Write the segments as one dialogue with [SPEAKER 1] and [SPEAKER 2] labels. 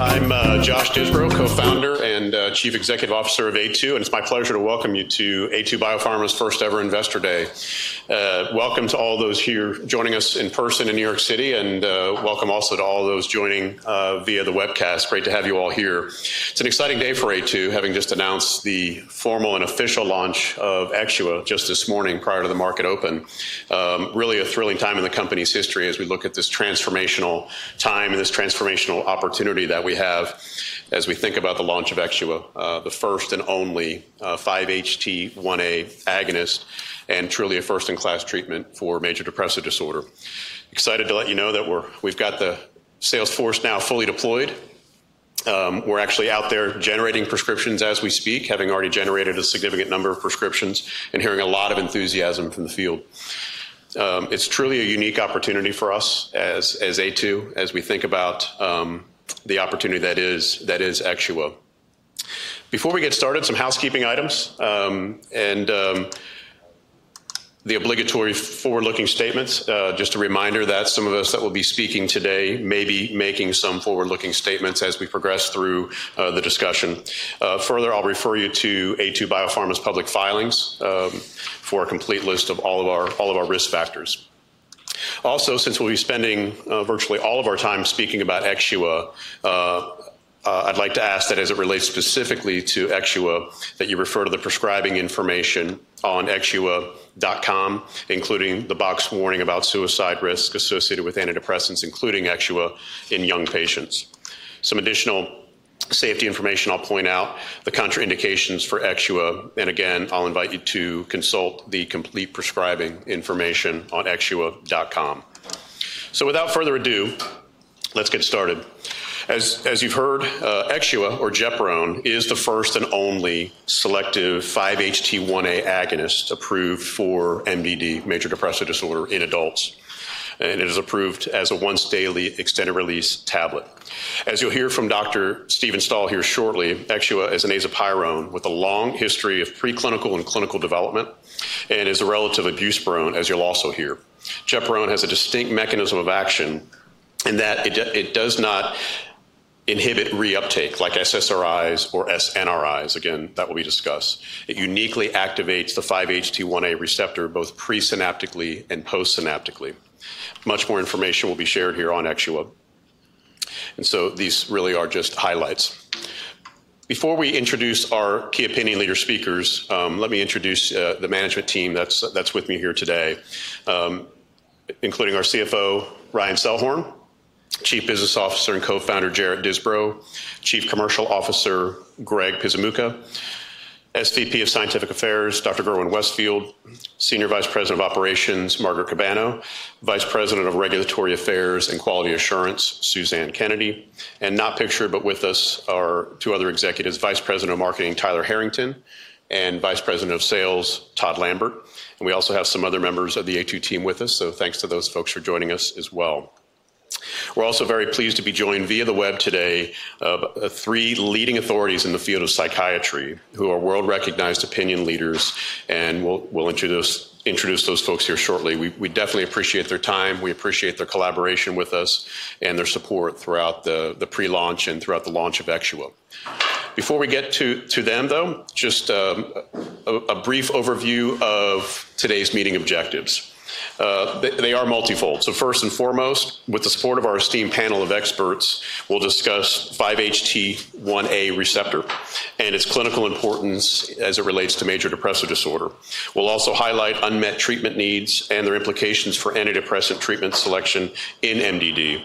[SPEAKER 1] I'm Josh Disbrow, Co-founder and Chief Executive Officer of Aytu, and it's my pleasure to welcome you to Aytu Biopharma's first-ever investor day. Welcome to all those here joining us in person in New York City, and welcome also to all those joining via the webcast. Great to have you all here. It's an exciting day for Aytu, having just announced the formal and official launch of Exxua just this morning prior to the market open. Really a thrilling time in the company's history as we look at this transformational time and this transformational opportunity that we have as we think about the launch of Exxua, the first and only 5-HT1A agonist and truly a first-in-class treatment for major depressive disorder. Excited to let you know that we've got the sales force now fully deployed. We're actually out there generating prescriptions as we speak, having already generated a significant number of prescriptions and hearing a lot of enthusiasm from the field. It's truly a unique opportunity for us as Aytu, as we think about the opportunity that is Exxua. Before we get started, some housekeeping items and the obligatory forward-looking statements. Just a reminder that some of us that will be speaking today may be making some forward-looking statements as we progress through the discussion. Further, I'll refer you to Aytu Biopharma's public filings for a complete list of all of our risk factors. Also, since we'll be spending virtually all of our time speaking about Exxua, I'd like to ask that as it relates specifically to Exxua, that you refer to the prescribing information on exxua.com, including the box warning about suicide risk associated with antidepressants, including Exxua in young patients. Some additional safety information I'll point out, the contraindications for Exxua, and again, I'll invite you to consult the complete prescribing information on Exxua.com. So, without further ado, let's get started. As you've heard, Exxua, or gepirone, is the first and only selective 5-HT1A agonist approved for MDD, major depressive disorder, in adults, and it is approved as a once-daily extended-release tablet. As you'll hear from Dr. Stephen Stahl here shortly, Exxua is an azapirone with a long history of preclinical and clinical development and is a relative of buspirone, as you'll also hear. gepirone has a distinct mechanism of action in that it does not inhibit re-uptake like SSRIs or SNRIs. Again, that will be discussed. It uniquely activates the 5-HT1A receptor both presynaptically and postsynaptically. Much more information will be shared here on Exxua, and so these really are just highlights. Before we introduce our key opinion leader speakers, let me introduce the management team that's with me here today, including our CFO, Ryan Selhorn, Chief Business Officer and co-founder Jarret Disbrow, Chief Commercial Officer Greg Pizzia, SVP of Scientific Affairs, Dr. Graig Suvannavejh, Senior Vice President of Operations, Margaret Cabana, Vice President of Regulatory Affairs and Quality Assurance, Suzanne Kennedy, and not pictured but with us are two other executives, Vice President of Marketing, Tyler Harrington, and Vice President of Sales, Todd Lambert. And we also have some other members of the Aytu team with us, so thanks to those folks for joining us as well. We're also very pleased to be joined via the web today of three leading authorities in the field of psychiatry who are world-recognized opinion leaders, and we'll introduce those folks here shortly. We definitely appreciate their time. We appreciate their collaboration with us and their support throughout the pre-launch and throughout the launch of Exxua. Before we get to them, though, just a brief overview of today's meeting objectives. They are multifold. So, first and foremost, with the support of our esteemed panel of experts, we'll discuss 5-HT1A receptor and its clinical importance as it relates to major depressive disorder. We'll also highlight unmet treatment needs and their implications for antidepressant treatment selection in MDD.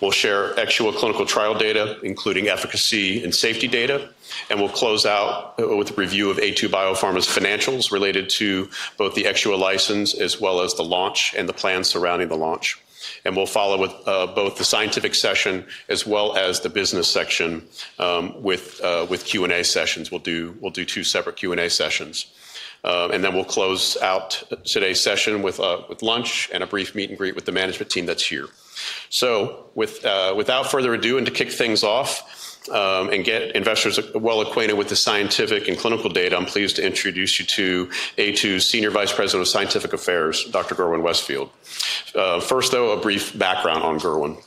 [SPEAKER 1] We'll share Exxua clinical trial data, including efficacy and safety data, and we'll close out with a review of Aytu Biopharma's financials related to both the Exxua license as well as the launch and the plans surrounding the launch. And we'll follow with both the scientific session as well as the business section with Q&A sessions. We'll do two separate Q&A sessions. Then we'll close out today's session with lunch and a brief meet and greet with the management team that's here. So, without further ado, and to kick things off and get investors well acquainted with the scientific and clinical data, I'm pleased to introduce you to Aytu's Senior Vice President of Scientific Affairs, Dr. Graig Suvannavejh. First, though, a brief background on Suvannavejh.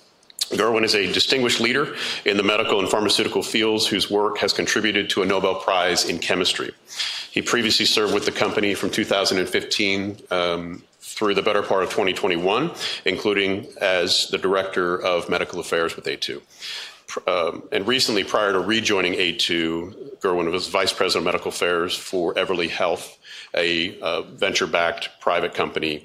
[SPEAKER 1] Suvannavejh is a distinguished leader in the medical and pharmaceutical fields whose work has contributed to a Nobel Prize in Chemistry. He previously served with the company from 2015 through the better part of 2021, including as the Director of Medical Affairs with Aytu. And recently, prior to rejoining Aytu, Suvannavejh was Vice President of Medical Affairs for Everly Health, a venture-backed private company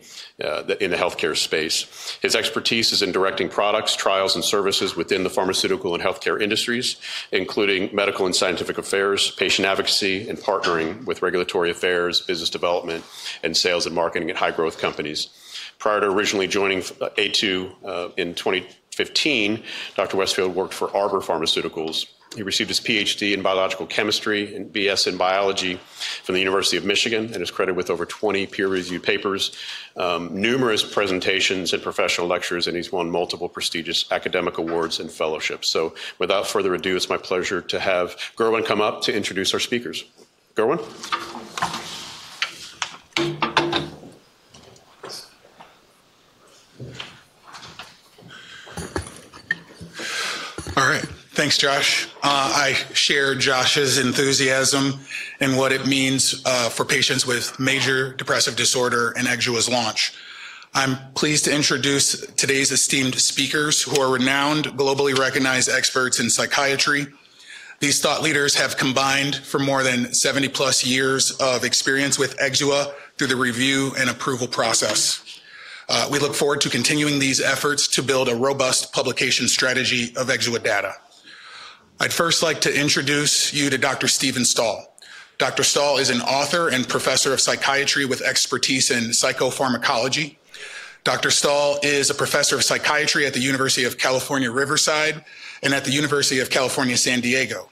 [SPEAKER 1] in the healthcare space. His expertise is in directing products, trials, and services within the pharmaceutical and healthcare industries, including medical and scientific affairs, patient advocacy, and partnering with regulatory affairs, business development, and sales and marketing at high-growth companies. Prior to originally joining Aytu in 2015, Dr. Gerwin-Westfield worked for Arbor Pharmaceuticals. He received his PhD in biological chemistry and BS in biology from the University of Michigan and is credited with over 20 peer-reviewed papers, numerous presentations, and professional lectures, and he's won multiple prestigious academic awards and fellowships. So, without further ado, it's my pleasure to have Gerwin come up to introduce our speakers. Gerwin.
[SPEAKER 2] All right. Thanks, Josh. I share Josh's enthusiasm and what it means for patients with major depressive disorder and Exxua's launch. I'm pleased to introduce today's esteemed speakers who are renowned, globally recognized experts in psychiatry. These thought leaders have combined for more than 70-plus years of experience with Exxua through the review and approval process. We look forward to continuing these efforts to build a robust publication strategy of Exxua data. I'd first like to introduce you to Dr. Stephen Stahl. Dr. Stahl is an author and professor of psychiatry with expertise in psychopharmacology. Dr. Stahl is a professor of psychiatry at the University of California, Riverside, and at the University of California, San Diego.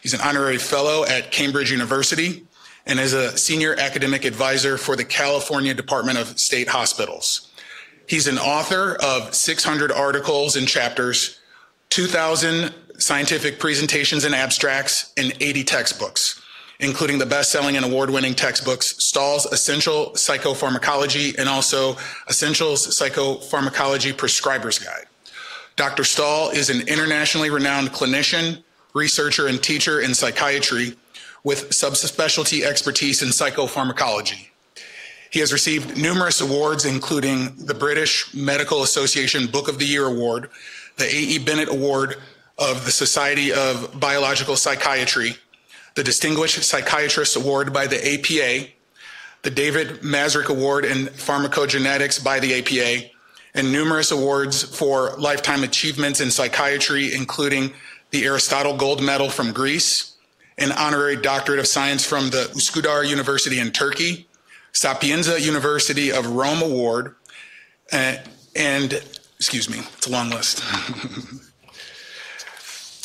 [SPEAKER 2] He's an honorary fellow at Cambridge University and is a senior academic advisor for the California Department of State Hospitals. He's an author of 600 articles and chapters, 2,000 scientific presentations and abstracts, and 80 textbooks, including the bestselling and award-winning textbooks Stahl's Essential Psychopharmacology and also Essential Psychopharmacology Prescriber's Guide. Dr. Stahl is an internationally renowned clinician, researcher, and teacher in psychiatry with subspecialty expertise in psychopharmacology. He has received numerous awards, including the British Medical Association Book of the Year Award, the A.E. Bennett Award of the Society of Biological Psychiatry, the Distinguished Psychiatrist Award by the APA, the David Mrazek Award in Pharmacogenetics by the APA, and numerous awards for lifetime achievements in psychiatry, including the Aristotle Gold Medal from Greece, an honorary doctorate of science from the Üsküdar University in Turkey, Sapienza University of Rome Award, and excuse me, it's a long list,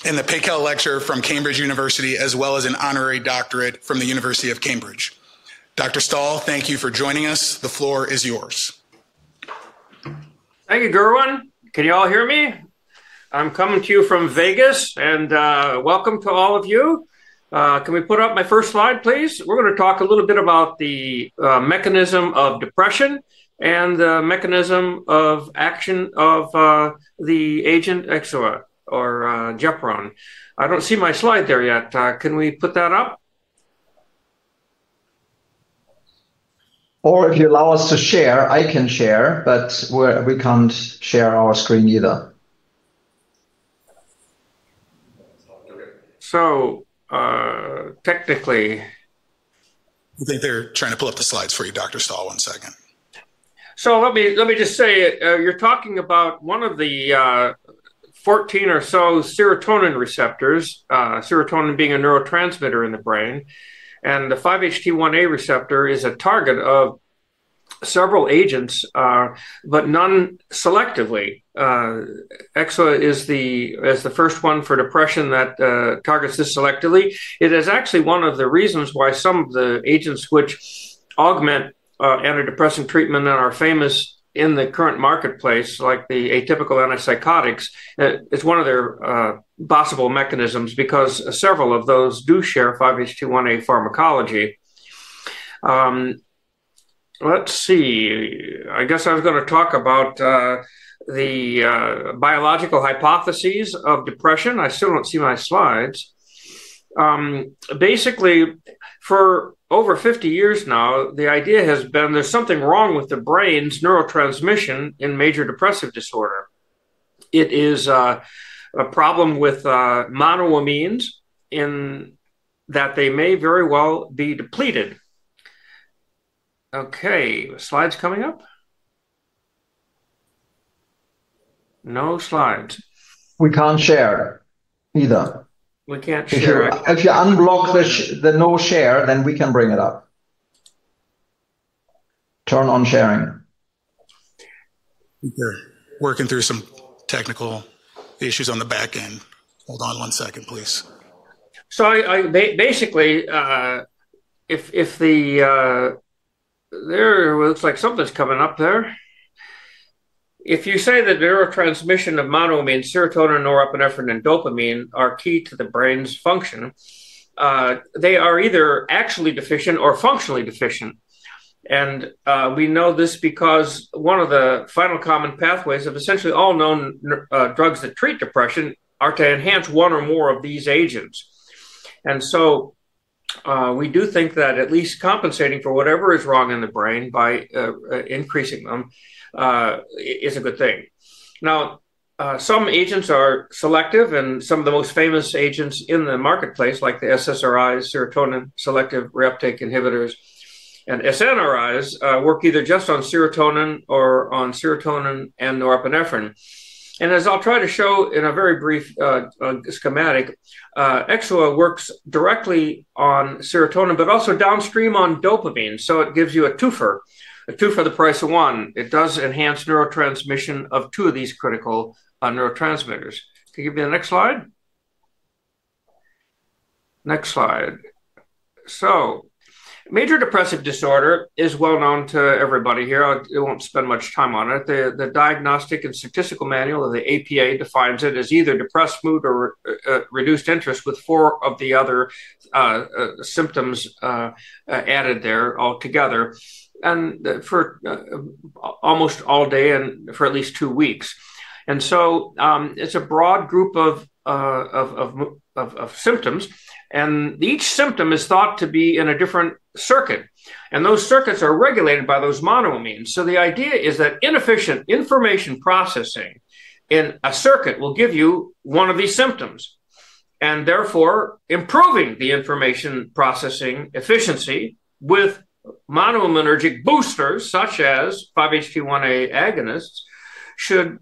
[SPEAKER 2] and the Paykel Lecture from Cambridge University, as well as an honorary doctorate from the University of Cambridge. Dr. Stahl, thank you for joining us. The floor is yours.
[SPEAKER 3] Thank you, Gerwin. Can you all hear me? I'm coming to you from Las Vegas, and welcome to all of you. Can we put up my first slide, please? We're going to talk a little bit about the mechanism of depression and the mechanism of action of the agent Exxua or gepirone. I don't see my slide there yet. Can we put that up?
[SPEAKER 4] Or if you allow us to share, I can share, but we can't share our screen either.
[SPEAKER 3] So technically.
[SPEAKER 2] I think they're trying to pull up the slides for you, Dr. Stahl. One second.
[SPEAKER 3] So let me just say, you're talking about one of the 14 or so serotonin receptors, serotonin being a neurotransmitter in the brain, and the 5-HT1A receptor is a target of several agents, but none selectively. Exxua is the first one for depression that targets this selectively. It is actually one of the reasons why some of the agents which augment antidepressant treatment that are famous in the current marketplace, like the atypical antipsychotics, it's one of their possible mechanisms because several of those do share 5-HT1A pharmacology. Let's see. I guess I was going to talk about the biological hypotheses of depression. I still don't see my slides. Basically, for over 50 years now, the idea has been there's something wrong with the brain's neurotransmission in major depressive disorder. It is a problem with monoamines, in that they may very well be depleted. Okay. Slides coming up? No slides.
[SPEAKER 4] We can't share either.
[SPEAKER 3] We can't share.
[SPEAKER 4] If you unblock the no share, then we can bring it up. Turn on sharing.
[SPEAKER 2] We're working through some technical issues on the back end. Hold on one second, please.
[SPEAKER 3] So basically, if you say that neurotransmission of monoamines, serotonin, norepinephrine, and dopamine are key to the brain's function, they are either actually deficient or functionally deficient. And we know this because one of the final common pathways of essentially all known drugs that treat depression are to enhance one or more of these agents. And so we do think that at least compensating for whatever is wrong in the brain by increasing them is a good thing. Now, some agents are selective, and some of the most famous agents in the marketplace, like the SSRIs, serotonin selective re-uptake inhibitors, and SNRIs, work either just on serotonin or on serotonin and norepinephrine. And as I'll try to show in a very brief schematic, Exxua works directly on serotonin, but also downstream on dopamine. So it gives you a twofer, a twofer the price of one. It does enhance neurotransmission of two of these critical neurotransmitters. Can you give me the next slide? Next slide. So major depressive disorder is well known to everybody here. I won't spend much time on it. The Diagnostic and Statistical Manual of the APA defines it as either depressed mood or reduced interest, with four of the other symptoms added there altogether, and for almost all day and for at least two weeks. And so it's a broad group of symptoms, and each symptom is thought to be in a different circuit. And those circuits are regulated by those monoamines. So the idea is that inefficient information processing in a circuit will give you one of these symptoms. Therefore, improving the information processing efficiency with monoaminergic boosters, such as 5-HT1A agonists, should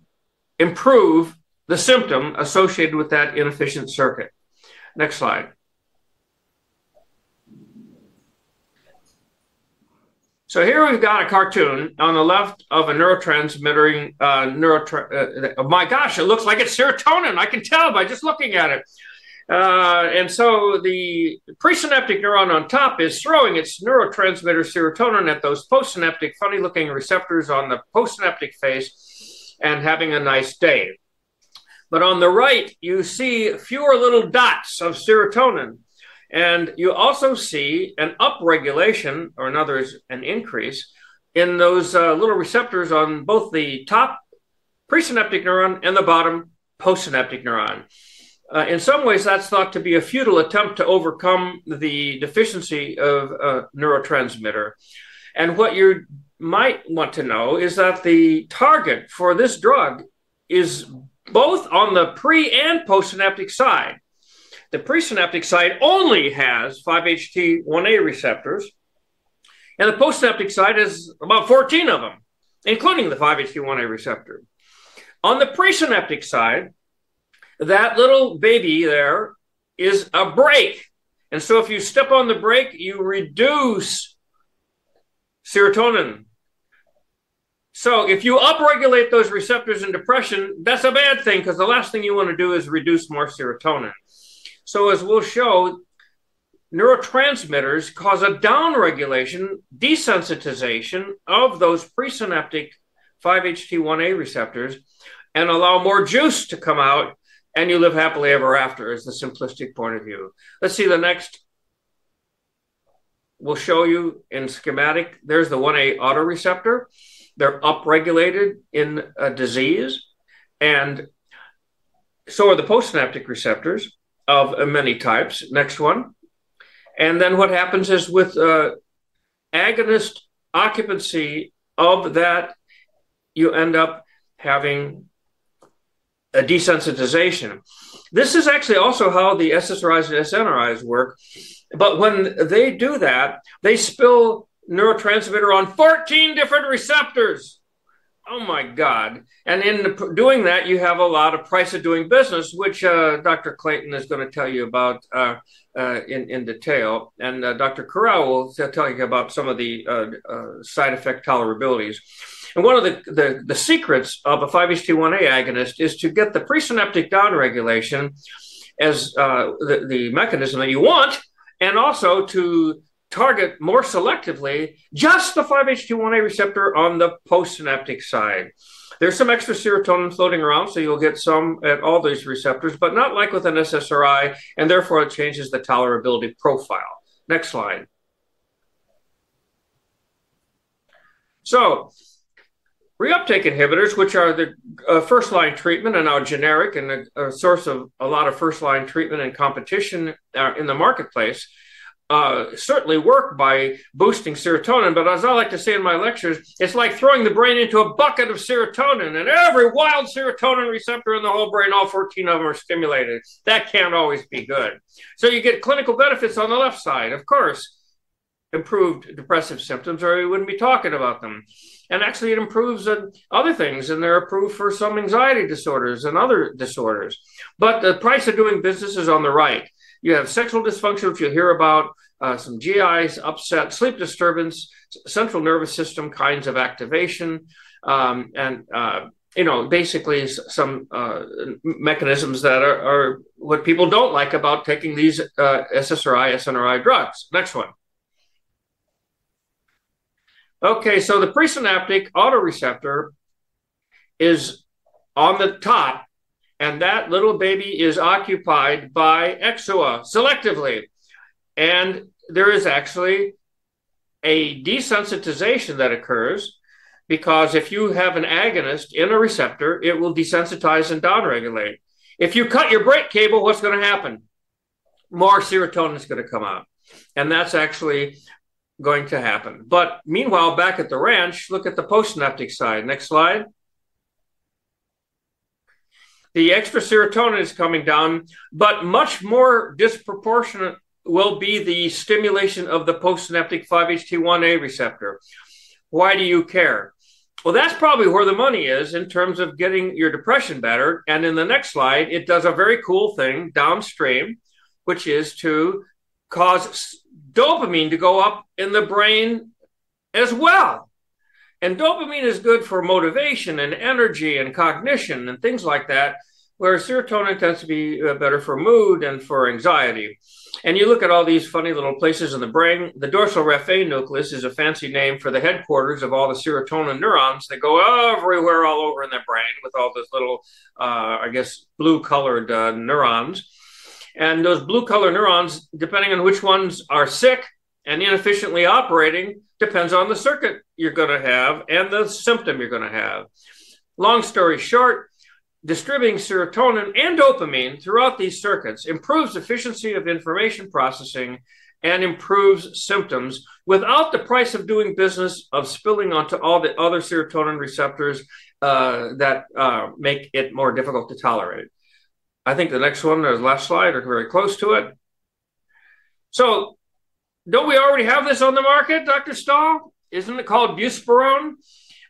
[SPEAKER 3] improve the symptom associated with that inefficient circuit. Next slide. Here we've got a cartoon on the left of a neurotransmitter. My gosh, it looks like it's serotonin. I can tell by just looking at it. So the presynaptic neuron on top is throwing its neurotransmitter serotonin at those postsynaptic, funny-looking receptors on the postsynaptic face and having a nice day. On the right, you see fewer little dots of serotonin. You also see an upregulation, or in other words, an increase in those little receptors on both the top presynaptic neuron and the bottom postsynaptic neuron. In some ways, that's thought to be a futile attempt to overcome the deficiency of a neurotransmitter. And what you might want to know is that the target for this drug is both on the pre- and postsynaptic side. The presynaptic side only has 5-HT1A receptors, and the postsynaptic side has about 14 of them, including the 5-HT1A receptor. On the presynaptic side, that little baby there is a brake. And so if you step on the brake, you reduce serotonin. So if you upregulate those receptors in depression, that's a bad thing because the last thing you want to do is reduce more serotonin. So as we'll show, neurotransmitters cause a downregulation, desensitization of those presynaptic 5-HT1A receptors and allow more juice to come out, and you live happily ever after, is the simplistic point of view. Let's see the next. We'll show you in schematic. There's the 1A autoreceptor. They're upregulated in a disease. And so are the postsynaptic receptors of many types. Next one. And then what happens is with agonist occupancy of that, you end up having a desensitization. This is actually also how the SSRIs and SNRIs work. But when they do that, they spill neurotransmitter on 14 different receptors. Oh my God. And in doing that, you have a lot of price of doing business, which Dr. Clayton is going to tell you about in detail. And Dr. Correll will tell you about some of the side effect tolerabilities. And one of the secrets of a 5-HT1A agonist is to get the presynaptic downregulation as the mechanism that you want and also to target more selectively just the 5-HT1A receptor on the postsynaptic side. There's some extra serotonin floating around, so you'll get some at all these receptors, but not like with an SSRI, and therefore it changes the tolerability profile. Next slide. So reuptake inhibitors, which are the first-line treatment and now generic and a source of a lot of first-line treatment and competition in the marketplace, certainly work by boosting serotonin. But as I like to say in my lectures, it's like throwing the brain into a bucket of serotonin, and every wild serotonin receptor in the whole brain, all 14 of them are stimulated. That can't always be good. So you get clinical benefits on the left side, of course. Improved depressive symptoms, or we wouldn't be talking about them. And actually, it improves other things, and they're approved for some anxiety disorders and other disorders. But the price of doing business is on the right. You have sexual dysfunction, which you'll hear about, some GI upset, sleep disturbance, central nervous system kinds of activation, and basically some mechanisms that are what people don't like about taking these SSRI, SNRI drugs. Next one. Okay. So the presynaptic autoreceptor is on the top, and that little baby is occupied by Exxua selectively. And there is actually a desensitization that occurs because if you have an agonist in a receptor, it will desensitize and downregulate. If you cut your brake cable, what's going to happen? More serotonin is going to come out. And that's actually going to happen. But meanwhile, back at the ranch, look at the postsynaptic side. Next slide. The extra serotonin is coming down, but much more disproportionate will be the stimulation of the postsynaptic 5-HT1A receptor. Why do you care? Well, that's probably where the money is in terms of getting your depression better. In the next slide, it does a very cool thing downstream, which is to cause dopamine to go up in the brain as well. And dopamine is good for motivation and energy and cognition and things like that, where serotonin tends to be better for mood and for anxiety. And you look at all these funny little places in the brain. The dorsal raphe nucleus is a fancy name for the headquarters of all the serotonin neurons that go everywhere all over in the brain with all those little, I guess, blue-colored neurons. And those blue-colored neurons, depending on which ones are sick and inefficiently operating, depends on the circuit you're going to have and the symptom you're going to have. Long story short, distributing serotonin and dopamine throughout these circuits improves efficiency of information processing and improves symptoms without the price of doing business of spilling onto all the other serotonin receptors that make it more difficult to tolerate. I think the next one, there's the last slide, or very close to it. So don't we already have this on the market, Dr. Stahl? Isn't it called buspirone?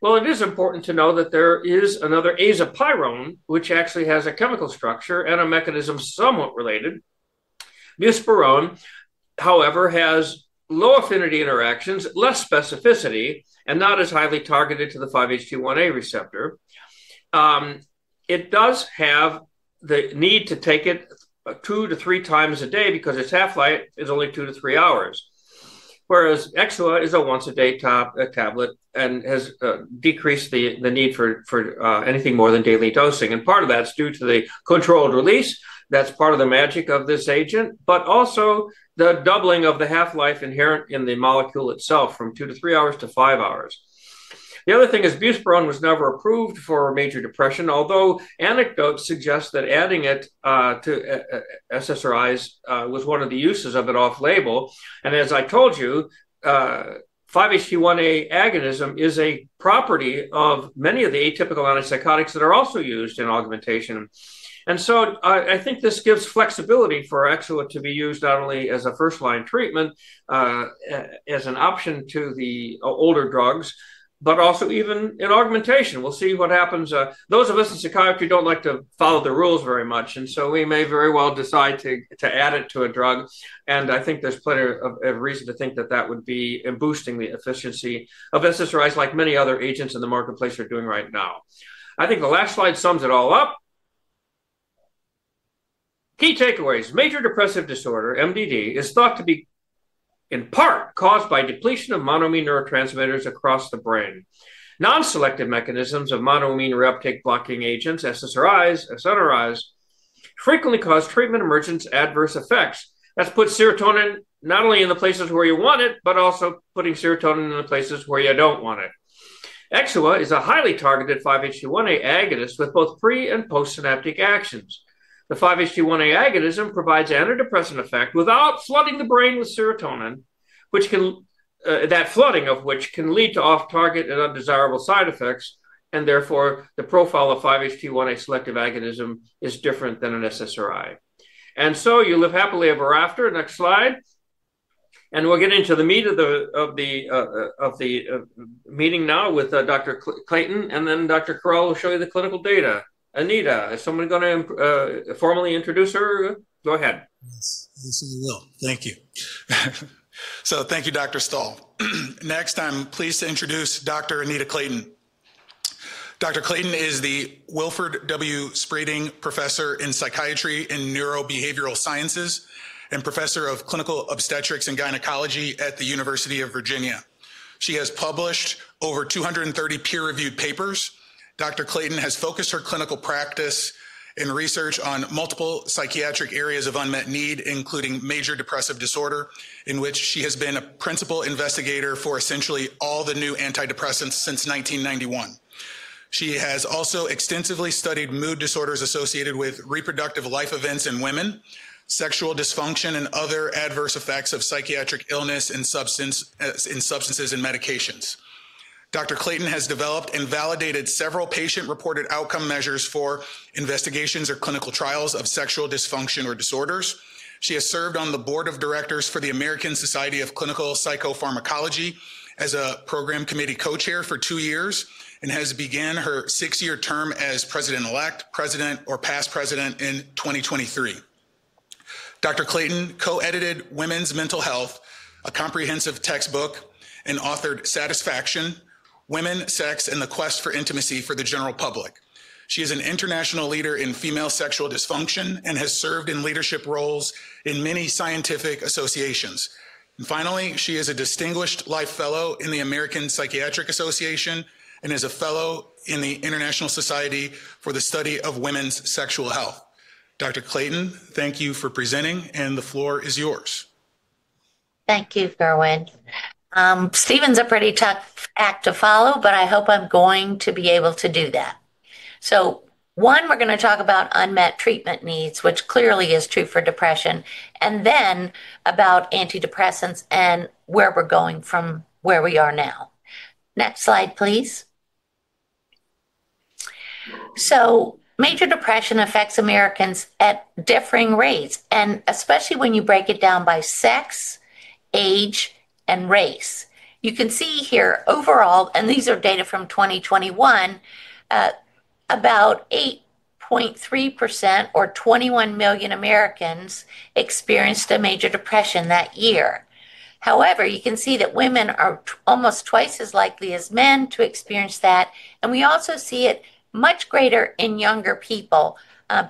[SPEAKER 3] Well, it is important to know that there is another azapirone, which actually has a chemical structure and a mechanism somewhat related. Buspirone, however, has low affinity interactions, less specificity, and not as highly targeted to the 5-HT1A receptor. It does have the need to take it two to three times a day because its half-life is only two to three hours, whereas Exxua is a once-a-day tablet and has decreased the need for anything more than daily dosing. And part of that's due to the controlled release. That's part of the magic of this agent, but also the doubling of the half-life inherent in the molecule itself from two to three hours to five hours. The other thing is buspirone was never approved for major depression, although anecdotes suggest that adding it to SSRIs was one of the uses of it off label. And as I told you, 5-HT1A agonism is a property of many of the atypical antipsychotics that are also used in augmentation. And so, I think this gives flexibility for Exxua to be used not only as a first-line treatment, as an option to the older drugs, but also even in augmentation. We'll see what happens. Those of us in psychiatry don't like to follow the rules very much, and so we may very well decide to add it to a drug. I think there's plenty of reason to think that that would be in boosting the efficiency of SSRIs, like many other agents in the marketplace are doing right now. I think the last slide sums it all up. Key takeaways. Major depressive disorder, MDD, is thought to be in part caused by depletion of monoamine neurotransmitters across the brain. Non-selective mechanisms of monoamine reuptake blocking agents, SSRIs, SNRIs, frequently cause treatment-emergent adverse effects. That's put serotonin not only in the places where you want it, but also putting serotonin in the places where you don't want it. Exxua is a highly targeted 5-HT1A agonist with both pre- and postsynaptic actions. The 5-HT1A agonism provides an antidepressant effect without flooding the brain with serotonin, flooding of which can lead to off-target and undesirable side effects. And therefore, the profile of 5-HT1A selective agonism is different than an SSRI. And so you live happily ever after. Next slide. And we'll get into the meat of the meeting now with Dr. Clayton, and then Dr. Correll will show you the clinical data. Anita, is someone going to formally introduce her? Go ahead.
[SPEAKER 2] Yes, I will. Thank you. So, thank you, Dr. Stahl. Next, I'm pleased to introduce Dr. Anita Clayton. Dr. Clayton is the Wilford W. Spradlin Professor in Psychiatry and Neurobehavioral Sciences and Professor of Clinical Obstetrics and Gynecology at the University of Virginia. She has published over 230 peer-reviewed papers. Dr. Clayton has focused her clinical practice and research on multiple psychiatric areas of unmet need, including major depressive disorder, in which she has been a principal investigator for essentially all the new antidepressants since 1991. She has also extensively studied mood disorders associated with reproductive life events in women, sexual dysfunction, and other adverse effects of psychiatric illness in substances and medications. Dr. Clayton has developed and validated several patient-reported outcome measures for investigations or clinical trials of sexual dysfunction or disorders. She has served on the board of directors for the American Society of Clinical Psychopharmacology as a program committee co-chair for two years and has begun her six-year term as president-elect, president, or past president in 2023. Dr. Clayton co-edited Women's Mental Health, a comprehensive textbook, and authored Satisfaction: Women, Sex, and the Quest for Intimacy for the general public. She is an international leader in female sexual dysfunction and has served in leadership roles in many scientific associations. And finally, she is a distinguished life fellow in the American Psychiatric Association and is a fellow in the International Society for the Study of Women's Sexual Health. Dr. Clayton, thank you for presenting, and the floor is yours.
[SPEAKER 5] Thank you, Irwin. Steven's a pretty tough act to follow, but I hope I'm going to be able to do that. So one, we're going to talk about unmet treatment needs, which clearly is true for depression, and then about antidepressants and where we're going from where we are now. Next slide, please. So major depression affects Americans at differing rates, and especially when you break it down by sex, age, and race. You can see here overall, and these are data from 2021, about 8.3% or 21 million Americans experienced a major depression that year. However, you can see that women are almost twice as likely as men to experience that. And we also see it much greater in younger people,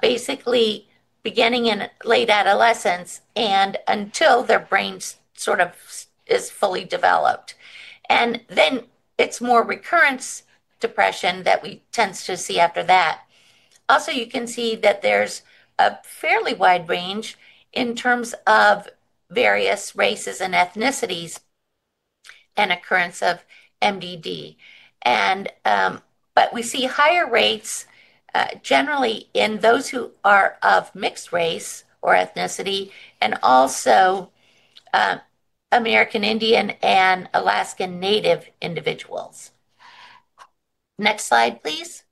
[SPEAKER 5] basically beginning in late adolescence and until their brain sort of is fully developed. And then it's more recurrent depression that we tend to see after that. Also, you can see that there's a fairly wide range in terms of various races and ethnicities and occurrence of MDD. But we see higher rates generally in those who are of mixed race or ethnicity and also American Indian and Alaskan Native individuals. Next slide, please.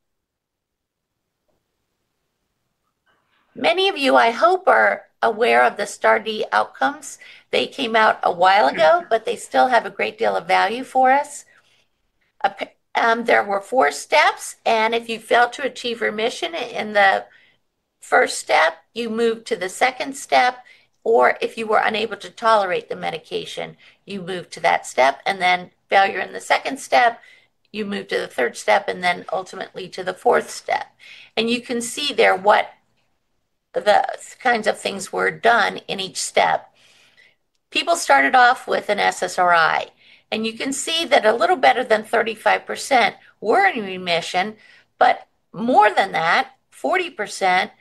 [SPEAKER 5] Many of you, I hope, are aware of the STAR*D outcomes. They came out a while ago, but they still have a great deal of value for us. There were four steps. And if you fail to achieve remission in the first step, you move to the second step. Or if you were unable to tolerate the medication, you move to that step. And then failure in the second step, you move to the third step, and then ultimately to the fourth step. And you can see there what the kinds of things were done in each step. People started off with an SSRI. And you can see that a little better than 35% were in remission, but more than that, 40%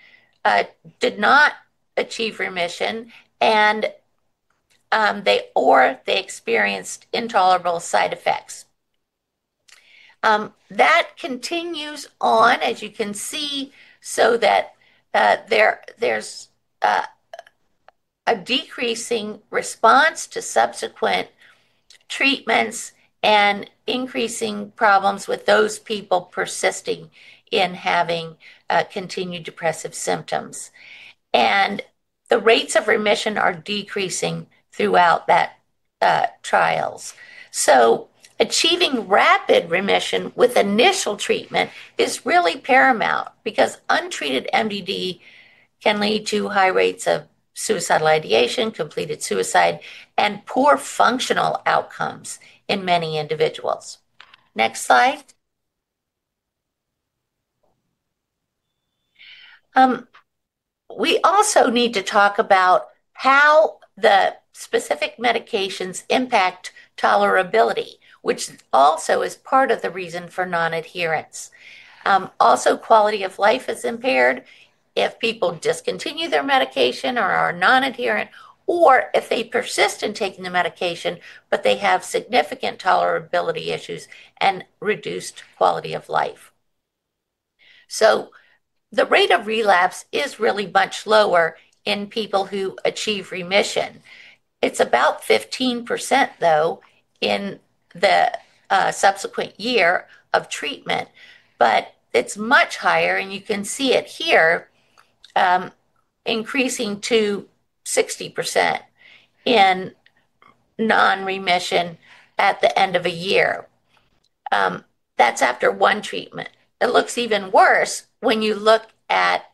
[SPEAKER 5] did not achieve remission, or they experienced intolerable side effects. That continues on, as you can see, so that there's a decreasing response to subsequent treatments and increasing problems with those people persisting in having continued depressive symptoms. And the rates of remission are decreasing throughout those trials. So, achieving rapid remission with initial treatment is really paramount because untreated MDD can lead to high rates of suicidal ideation, completed suicide, and poor functional outcomes in many individuals. Next slide. We also need to talk about how the specific medications impact tolerability, which also is part of the reason for non-adherence. Also, quality of life is impaired if people discontinue their medication or are non-adherent, or if they persist in taking the medication, but they have significant tolerability issues and reduced quality of life. So, the rate of relapse is really much lower in people who achieve remission. It's about 15%, though, in the subsequent year of treatment, but it's much higher, and you can see it here, increasing to 60% in non-remission at the end of a year. That's after one treatment. It looks even worse when you look at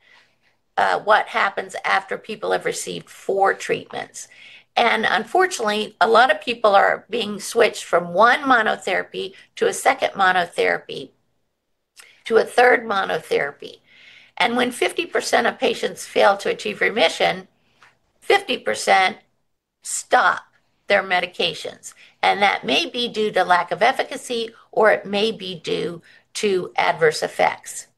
[SPEAKER 5] what happens after people have received four treatments. And unfortunately, a lot of people are being switched from one monotherapy to a second monotherapy to a third monotherapy. And when 50% of patients fail to achieve remission, 50% stop their medications. And that may be due to lack of efficacy, or it may be due to adverse effects.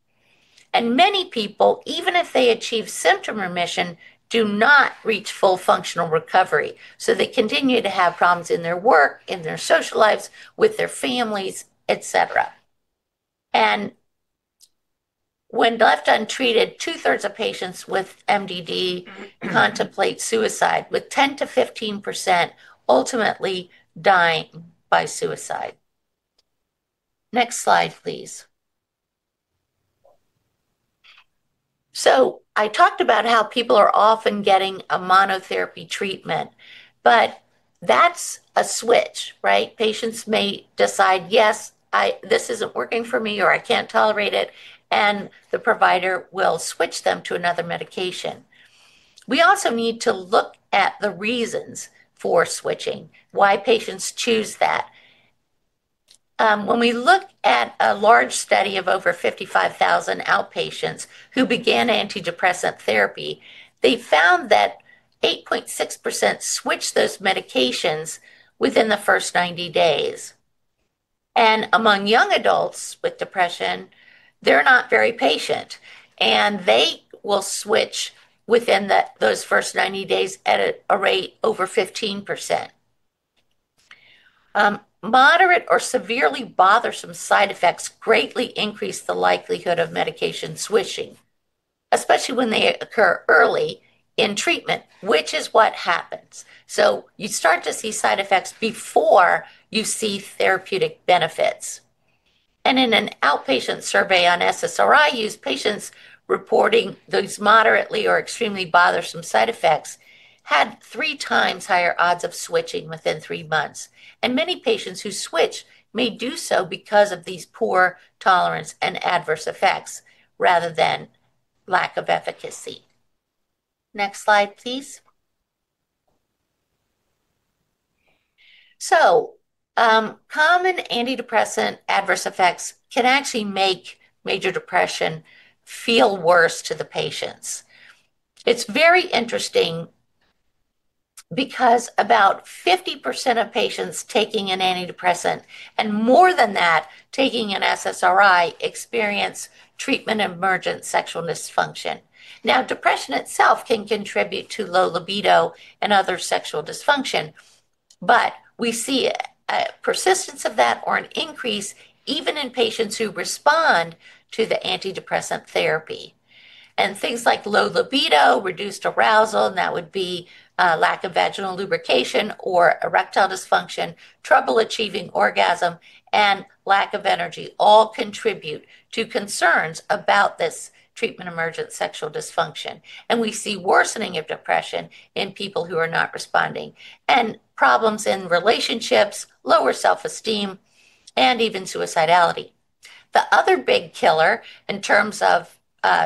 [SPEAKER 5] Many people, even if they achieve symptom remission, do not reach full functional recovery. They continue to have problems in their work, in their social lives, with their families, etc. When left untreated, two-thirds of patients with MDD contemplate suicide, with 10 to 15% ultimately dying by suicide. Next slide, please. I talked about how people are often getting a monotherapy treatment, but that's a switch, right? Patients may decide, "Yes, this isn't working for me," or "I can't tolerate it," and the provider will switch them to another medication. We also need to look at the reasons for switching, why patients choose that. When we look at a large study of over 55,000 outpatients who began antidepressant therapy, they found that 8.6% switched those medications within the first 90 days. And among young adults with depression, they're not very patient, and they will switch within those first 90 days at a rate over 15%. Moderate or severely bothersome side effects greatly increase the likelihood of medication switching, especially when they occur early in treatment, which is what happens. So you start to see side effects before you see therapeutic benefits. And in an outpatient survey on SSRI use, patients reporting those moderately or extremely bothersome side effects had three times higher odds of switching within three months. And many patients who switch may do so because of these poor tolerance and adverse effects rather than lack of efficacy. Next slide, please. So common antidepressant adverse effects can actually make major depression feel worse to the patients. It's very interesting because about 50% of patients taking an antidepressant and more than that taking an SSRI experience treatment emergent sexual dysfunction. Now, depression itself can contribute to low libido and other sexual dysfunction, but we see a persistence of that or an increase even in patients who respond to the antidepressant therapy. And things like low libido, reduced arousal, and that would be lack of vaginal lubrication or erectile dysfunction, trouble achieving orgasm, and lack of energy all contribute to concerns about this treatment emergent sexual dysfunction. And we see worsening of depression in people who are not responding and problems in relationships, lower self-esteem, and even suicidality. The other big killer in terms of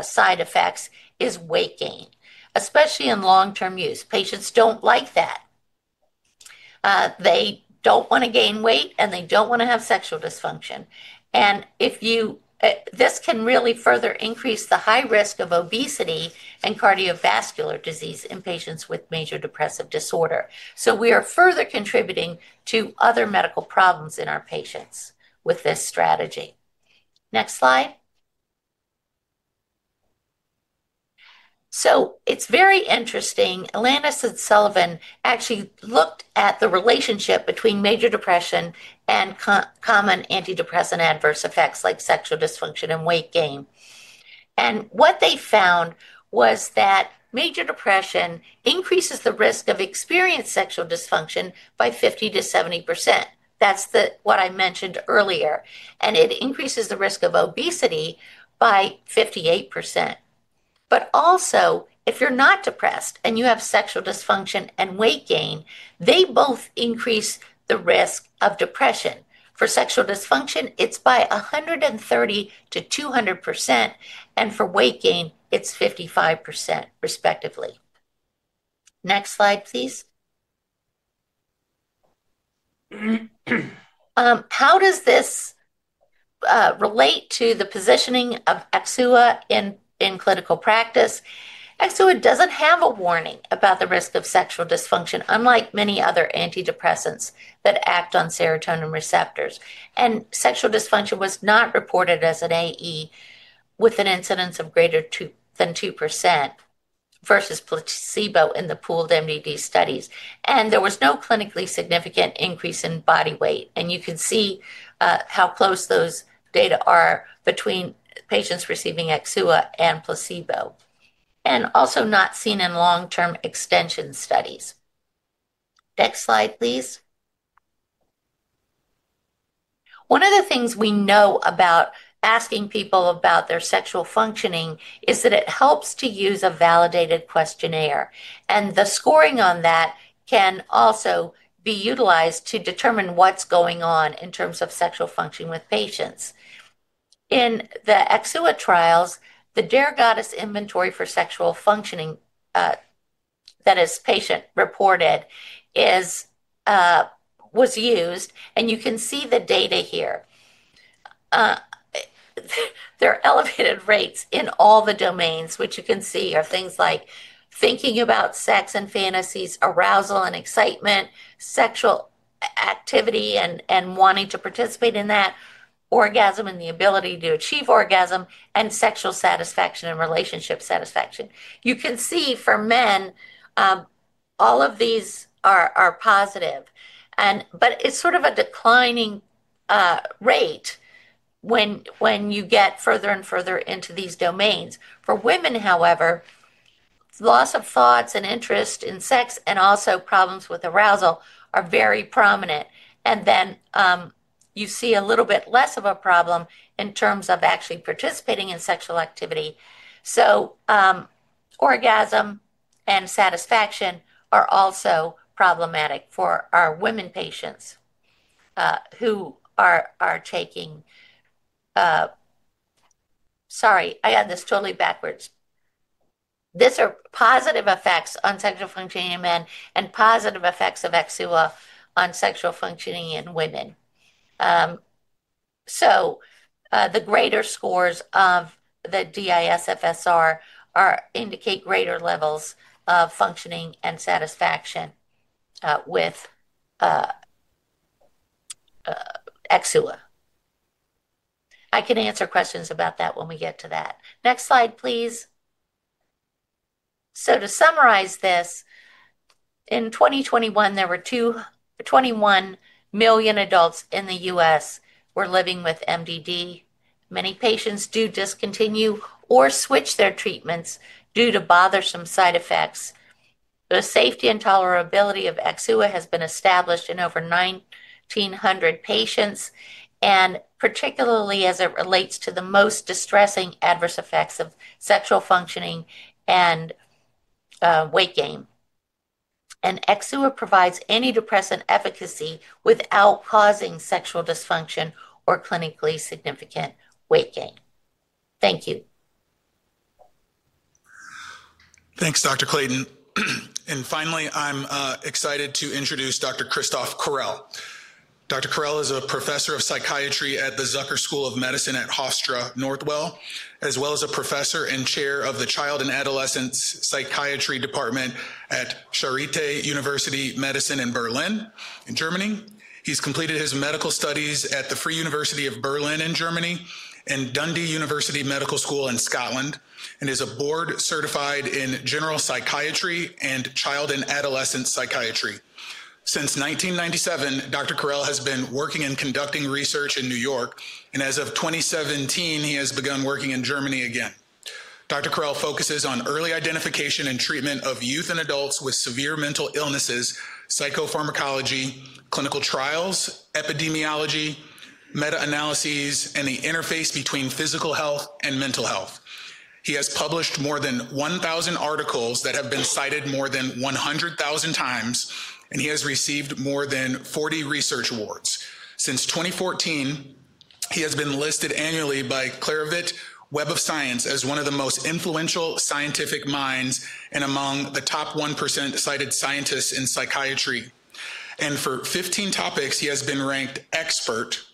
[SPEAKER 5] side effects is weight gain, especially in long-term use. Patients don't like that. They don't want to gain weight, and they don't want to have sexual dysfunction. And this can really further increase the high risk of obesity and cardiovascular disease in patients with major depressive disorder. We are further contributing to other medical problems in our patients with this strategy. Next slide. It's very interesting. Atlantis and Sullivan actually looked at the relationship between major depression and common antidepressant adverse effects like sexual dysfunction and weight gain. What they found was that major depression increases the risk of experienced sexual dysfunction by 50%-70%. That's what I mentioned earlier. It increases the risk of obesity by 58%. But also, if you're not depressed and you have sexual dysfunction and weight gain, they both increase the risk of depression. For sexual dysfunction, it's by 130%-200%, and for weight gain, it's 55%, respectively. Next slide, please. How does this relate to the positioning of Exua in clinical practice? Exua doesn't have a warning about the risk of sexual dysfunction, unlike many other antidepressants that act on serotonin receptors. Sexual dysfunction was not reported as an AE with an incidence of greater than 2% versus placebo in the pooled MDD studies. There was no clinically significant increase in body weight. You can see how close those data are between patients receiving Exxua and placebo. Also not seen in long-term extension studies. Next slide, please. One of the things we know about asking people about their sexual functioning is that it helps to use a validated questionnaire. The scoring on that can also be utilized to determine what's going on in terms of sexual function with patients. In the Exxua trials, the Derogatis Inventory for Sexual Functioning that is patient-reported was used, and you can see the data here. There are elevated rates in all the domains, which you can see are things like thinking about sex and fantasies, arousal and excitement, sexual activity and wanting to participate in that, orgasm and the ability to achieve orgasm, and sexual satisfaction and relationship satisfaction. You can see for men, all of these are positive. But it's sort of a declining rate when you get further and further into these domains. For women, however, loss of thoughts and interest in sex and also problems with arousal are very prominent. And then you see a little bit less of a problem in terms of actually participating in sexual activity. So orgasm and satisfaction are also problematic for our women patients who are taking—sorry, I had this totally backwards. These are positive effects on sexual functioning in men and positive effects of Exxua on sexual functioning in women. So the greater scores of the DISF-SR indicate greater levels of functioning and satisfaction with Exxua. I can answer questions about that when we get to that. Next slide, please. So to summarize this, in 2021, there were 21 million adults in the U.S. who were living with MDD. Many patients do discontinue or switch their treatments due to bothersome side effects. The safety and tolerability of Exxua has been established in over 1,900 patients, and particularly as it relates to the most distressing adverse effects of sexual functioning and weight gain. And Exxua provides antidepressant efficacy without causing sexual dysfunction or clinically significant weight gain. Thank you.
[SPEAKER 2] Thanks, Dr. Clayton. And finally, I'm excited to introduce Dr. Christoph Correll. Dr. Correll is a professor of psychiatry at the Zucker School of Medicine at Hofstra Northwell, as well as a professor and chair of the Child and Adolescent Psychiatry Department at Charité – Universitätsmedizin Berlin, in Germany. He's completed his medical studies at the Free University of Berlin in Germany and Dundee University Medical School in Scotland and is board-certified in general psychiatry and child and adolescent psychiatry. Since 1997, Dr. Correll has been working and conducting research in New York, and as of 2017, he has begun working in Germany again. Dr. Correll focuses on early identification and treatment of youth and adults with severe mental illnesses, psychopharmacology, clinical trials, epidemiology, meta-analyses, and the interface between physical health and mental health. He has published more than 1,000 articles that have been cited more than 100,000 times, and he has received more than 40 research awards. Since 2014, he has been listed annually by Clarivate Web of Science as one of the most influential scientific minds and among the top 1% cited scientists in psychiatry, and for 15 topics, he has been ranked expert,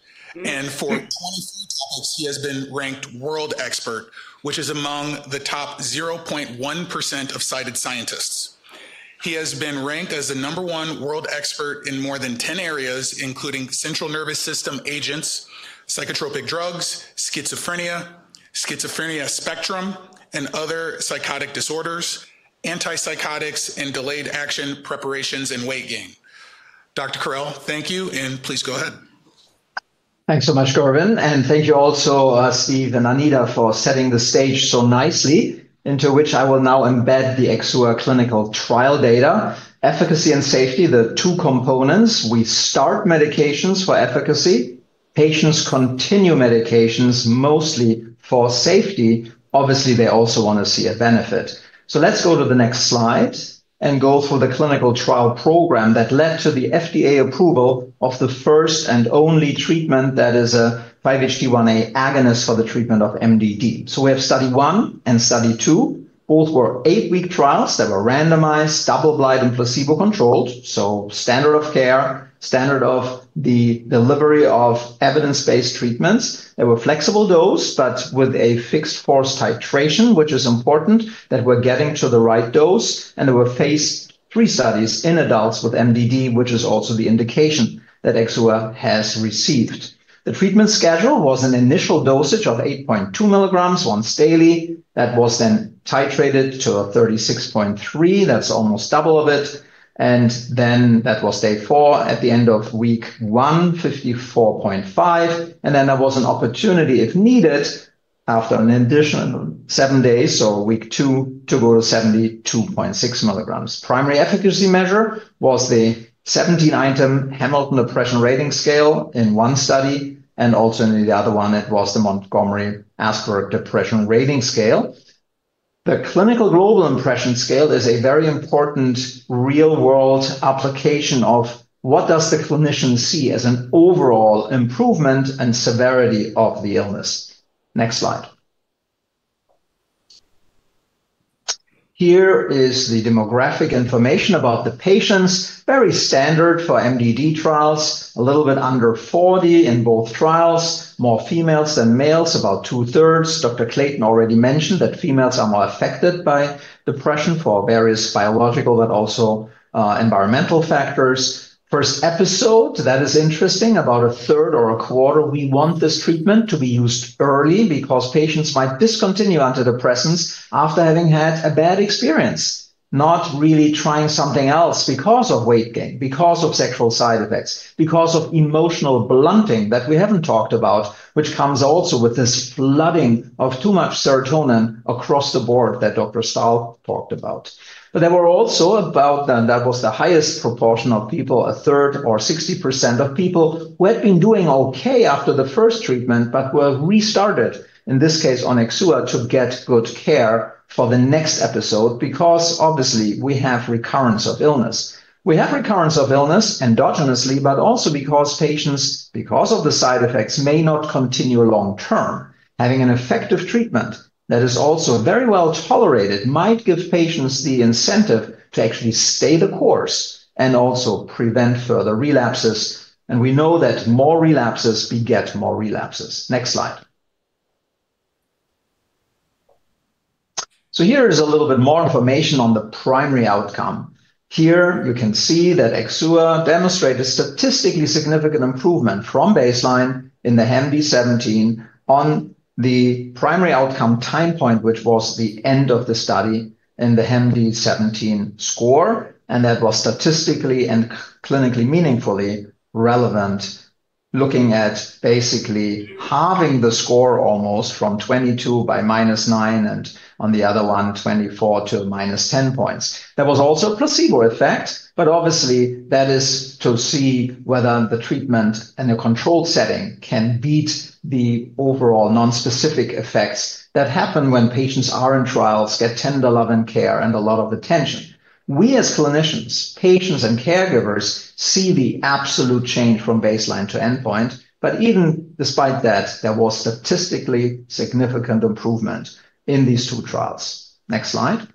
[SPEAKER 2] and for 23 topics, he has been ranked world expert, which is among the top 0.1% of cited scientists. He has been ranked as the number one world expert in more than 10 areas, including central nervous system agents, psychotropic drugs, schizophrenia, schizophrenia spectrum, and other psychotic disorders, antipsychotics, and delayed action preparations and weight gain. Dr. Correll, thank you, and please go ahead.
[SPEAKER 4] Thanks so much, Gorvin, and thank you also, Steve and Anita, for setting the stage so nicely into which I will now embed the Exxua clinical trial data. Efficacy and safety, the two components. We start medications for efficacy. Patients continue medications mostly for safety. Obviously, they also want to see a benefit. So let's go to the next slide and go through the clinical trial program that led to the FDA approval of the first and only treatment that is a 5-HT1A agonist for the treatment of MDD. So we have study one and study two. Both were eight-week trials that were randomized, double-blind, and placebo-controlled. So standard of care, standard of the delivery of evidence-based treatments. There were flexible doses, but with a fixed force titration, which is important, that we're getting to the right dose. And there were phase three studies in adults with MDD, which is also the indication that Exxua has received. The treatment schedule was an initial dosage of 8.2 milligrams once daily. That was then titrated to 36.3. That's almost double of it. And then that was day four at the end of week one, 54.5. There was an opportunity, if needed, after an additional seven days, so week two, to go to 72.6 milligrams. Primary efficacy measure was the 17-item Hamilton Depression Rating Scale in one study, and also in the other one, it was the Montgomery-Åsberg Depression Rating Scale. The clinical global impression scale is a very important real-world application of what does the clinician see as an overall improvement and severity of the illness. Next slide. Here is the demographic information about the patients. Very standard for MDD trials, a little bit under 40 in both trials, more females than males, about two-thirds. Dr. Clayton already mentioned that females are more affected by depression for various biological but also environmental factors. First episode, that is interesting, about a third or a quarter. We want this treatment to be used early because patients might discontinue antidepressants after having had a bad experience, not really trying something else because of weight gain, because of sexual side effects, because of emotional blunting that we haven't talked about, which comes also with this flooding of too much serotonin across the board that Dr. Stahl talked about. But there were also about, and that was the highest proportion of people, a third or 60% of people who had been doing okay after the first treatment but were restarted, in this case on Exxua, to get good care for the next episode because, obviously, we have recurrence of illness. We have recurrence of illness endogenously, but also because patients, because of the side effects, may not continue long-term. Having an effective treatment that is also very well tolerated might give patients the incentive to actually stay the course and also prevent further relapses. And we know that more relapses, we get more relapses. Next slide. So here is a little bit more information on the primary outcome. Here you can see that Exxua demonstrated statistically significant improvement from baseline in the HAM-D-17 on the primary outcome time point, which was the end of the study in the HAM-D-17 score. And that was statistically and clinically meaningfully relevant, looking at basically halving the score almost from 22 by minus nine and on the other one 24 to minus 10 points. That was also a placebo effect, but obviously, that is to see whether the treatment and the control setting can beat the overall non-specific effects that happen when patients are in trials, get 10-11 care and a lot of attention. We, as clinicians, patients, and caregivers see the absolute change from baseline to endpoint, but even despite that, there was statistically significant improvement in these two trials. Next slide.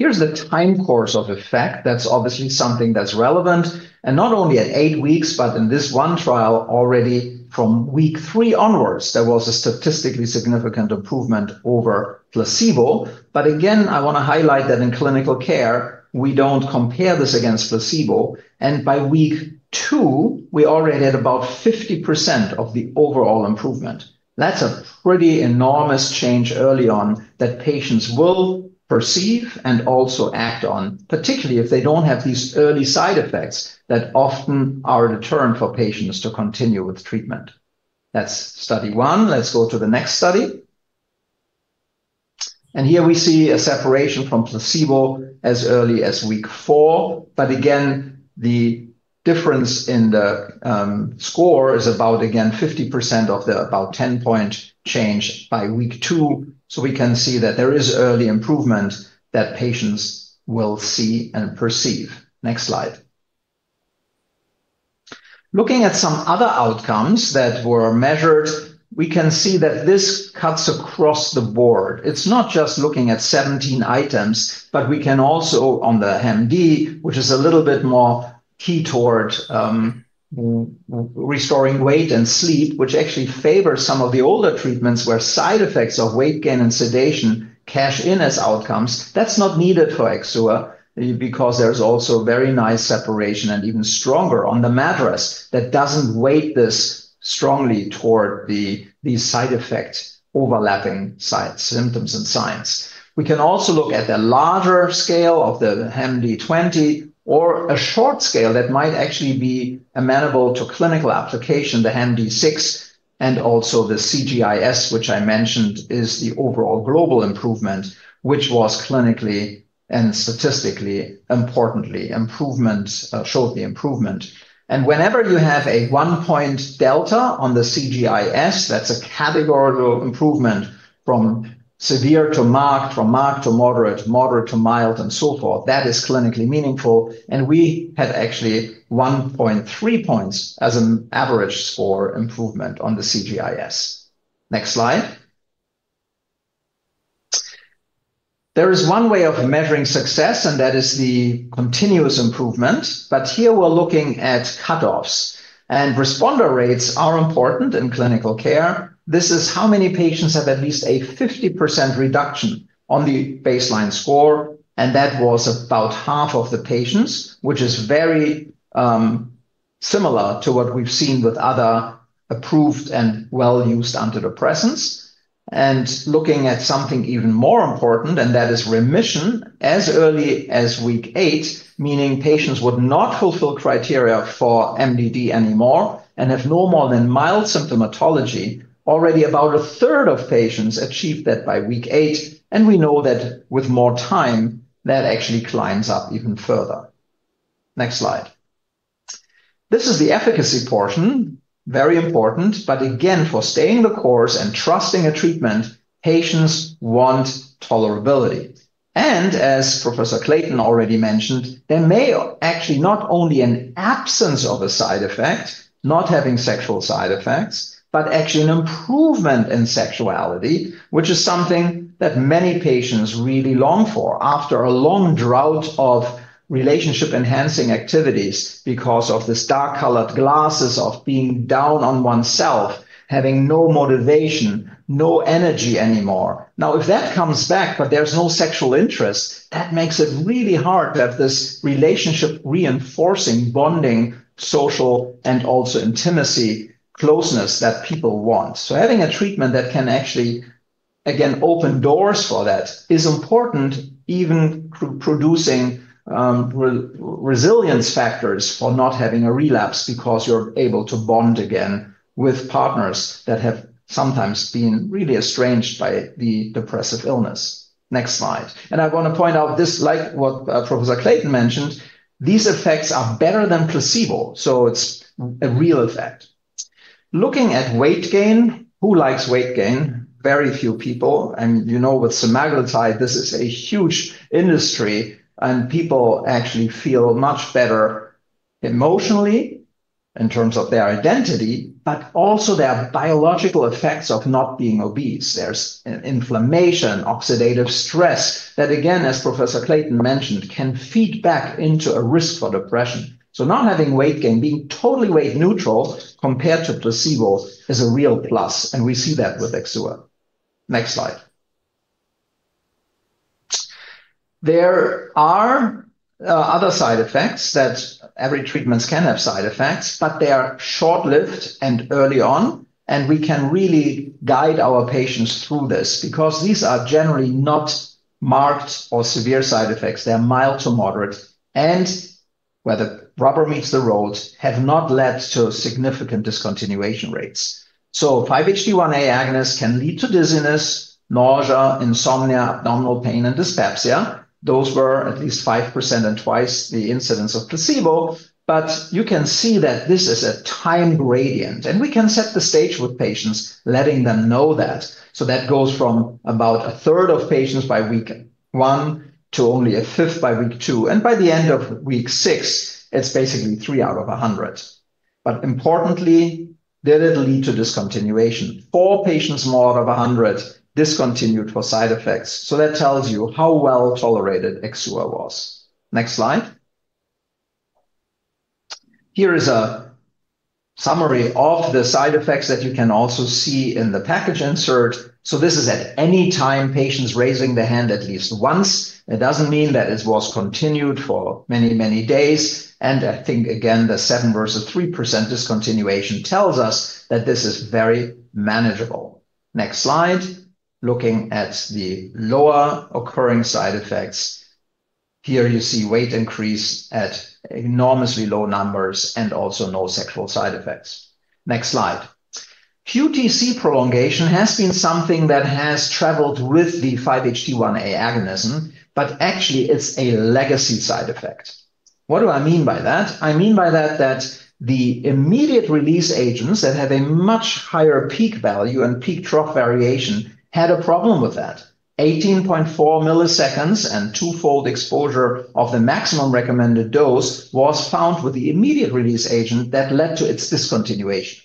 [SPEAKER 4] Here's the time course of effect. That's obviously something that's relevant and not only at eight weeks, but in this one trial, already from week three onwards, there was a statistically significant improvement over placebo, but again, I want to highlight that in clinical care, we don't compare this against placebo. And by week two, we already had about 50% of the overall improvement. That's a pretty enormous change early on that patients will perceive and also act on, particularly if they don't have these early side effects that often are a deterrent for patients to continue with treatment. That's study one. Let's go to the next study. And here we see a separation from placebo as early as week four. But again, the difference in the score is about, again, 50% of the about 10-point change by week two. So we can see that there is early improvement that patients will see and perceive. Next slide. Looking at some other outcomes that were measured, we can see that this cuts across the board. It's not just looking at 17 items, but we can also on the HAM-D, which is a little bit more key toward restoring weight and sleep, which actually favors some of the older treatments where side effects of weight gain and sedation cash in as outcomes. That's not needed for Exxua because there's also very nice separation and even stronger on the MADRS that doesn't weight this strongly toward the side effect overlapping symptoms and signs. We can also look at the larger scale of the HAM-D 20 or a short scale that might actually be amenable to clinical application, the HAM-D 6, and also the CGI-I, which I mentioned is the overall global improvement, which was clinically and statistically importantly showed the improvement, and whenever you have a one-point delta on the CGI-I, that's a categorical improvement from severe to marked, from marked to moderate, moderate to mild, and so forth. That is clinically meaningful. And we had actually 1.3 points as an average score improvement on the CGI-S. Next slide. There is one way of measuring success, and that is the continuous improvement. But here we're looking at cutoffs. And responder rates are important in clinical care. This is how many patients have at least a 50% reduction on the baseline score. And that was about half of the patients, which is very similar to what we've seen with other approved and well-used antidepressants. And looking at something even more important, and that is remission as early as week eight, meaning patients would not fulfill criteria for MDD anymore and have no more than mild symptomatology. Already about a third of patients achieved that by week eight. And we know that with more time, that actually climbs up even further. Next slide. This is the efficacy portion, very important. But again, for staying the course and trusting a treatment, patients want tolerability. And as Professor Clayton already mentioned, there may actually not only be an absence of a side effect, not having sexual side effects, but actually an improvement in sexuality, which is something that many patients really long for after a long drought of relationship-enhancing activities because of the rose-colored glasses of being down on oneself, having no motivation, no energy anymore. Now, if that comes back, but there's no sexual interest, that makes it really hard to have this relationship-reinforcing, bonding, social, and also intimacy closeness that people want. So having a treatment that can actually, again, open doors for that is important, even producing resilience factors for not having a relapse because you're able to bond again with partners that have sometimes been really estranged by the depressive illness. Next slide. I want to point out this, like what Professor Clayton mentioned, these effects are better than placebo. So it's a real effect. Looking at weight gain, who likes weight gain? Very few people. And you know with Semaglutide, this is a huge industry, and people actually feel much better emotionally in terms of their identity, but also their biological effects of not being obese. There's inflammation, oxidative stress that, again, as Professor Clayton mentioned, can feed back into a risk for depression. So not having weight gain, being totally weight neutral compared to placebo is a real plus, and we see that with Exxua. Next slide. There are other side effects that every treatment can have side effects, but they are short-lived and early on, and we can really guide our patients through this because these are generally not marked or severe side effects. They're mild to moderate, and, where the rubber meets the road, have not led to significant discontinuation rates. So 5-HT1A agonists can lead to dizziness, nausea, insomnia, abdominal pain, and dyspepsia. Those were at least 5% and twice the incidence of placebo, but you can see that this is a time gradient, and we can set the stage with patients, letting them know that. So that goes from about a third of patients by week one to only a fifth by week two, and by the end of week six, it's basically three out of a hundred, but importantly, did it lead to discontinuation? Four patients more out of a hundred discontinued for side effects. So that tells you how well tolerated Exxua was. Next slide. Here is a summary of the side effects that you can also see in the package insert. So this is at any time patients raising the hand at least once. It doesn't mean that it was continued for many, many days. And I think, again, the 7% versus 3% discontinuation tells us that this is very manageable. Next slide. Looking at the lower occurring side effects, here you see weight increase at enormously low numbers and also no sexual side effects. Next slide. QTc prolongation has been something that has traveled with the 5-HT1A agonism, but actually it's a legacy side effect. What do I mean by that? I mean by that that the immediate release agents that have a much higher peak value and peak drop variation had a problem with that. 18.4 milliseconds and twofold exposure of the maximum recommended dose was found with the immediate release agent that led to its discontinuation.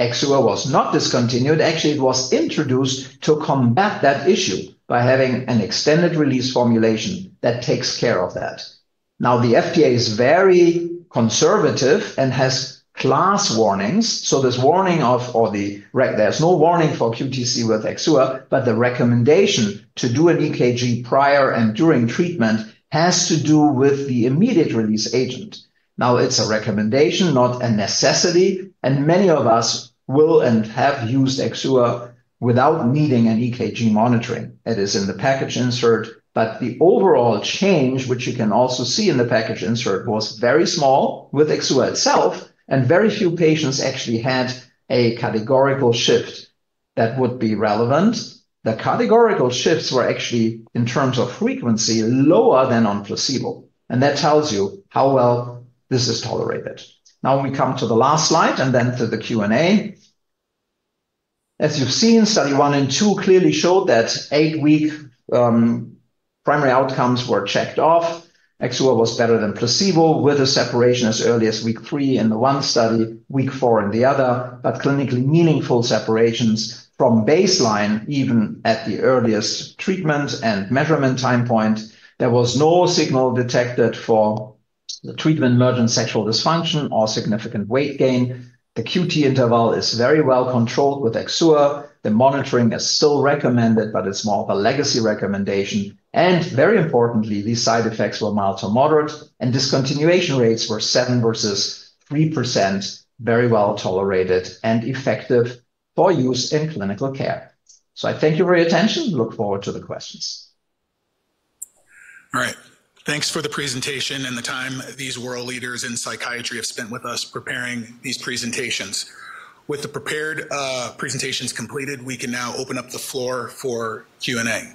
[SPEAKER 4] Exua was not discontinued. Actually, it was introduced to combat that issue by having an extended-release formulation that takes care of that. Now, the FDA is very conservative and has class warnings. So there's warning of, or the, there's no warning for QTc with Exxua, but the recommendation to do an EKG prior and during treatment has to do with the immediate release agent. Now, it's a recommendation, not a necessity, and many of us will and have used Exxua without needing an EKG monitoring. It is in the package insert, but the overall change, which you can also see in the package insert, was very small with Exxua itself, and very few patients actually had a categorical shift that would be relevant. The categorical shifts were actually, in terms of frequency, lower than on placebo, and that tells you how well this is tolerated. Now we come to the last slide and then to the Q&A. As you've seen, study one and two clearly showed that eight-week primary outcomes were checked off. Exxua was better than placebo with a separation as early as week three in the one study, week four in the other, but clinically meaningful separations from baseline, even at the earliest treatment and measurement time point. There was no signal detected for the treatment-emergent sexual dysfunction or significant weight gain. The QT interval is very well controlled with Exxua. The monitoring is still recommended, but it's more of a legacy recommendation. And very importantly, these side effects were mild to moderate, and discontinuation rates were seven versus 3%, very well tolerated and effective for use in clinical care. So I thank you for your attention. Look forward to the questions.
[SPEAKER 2] All right. Thanks for the presentation and the time these world leaders in psychiatry have spent with us preparing these presentations. With the prepared presentations completed, we can now open up the floor for Q&A.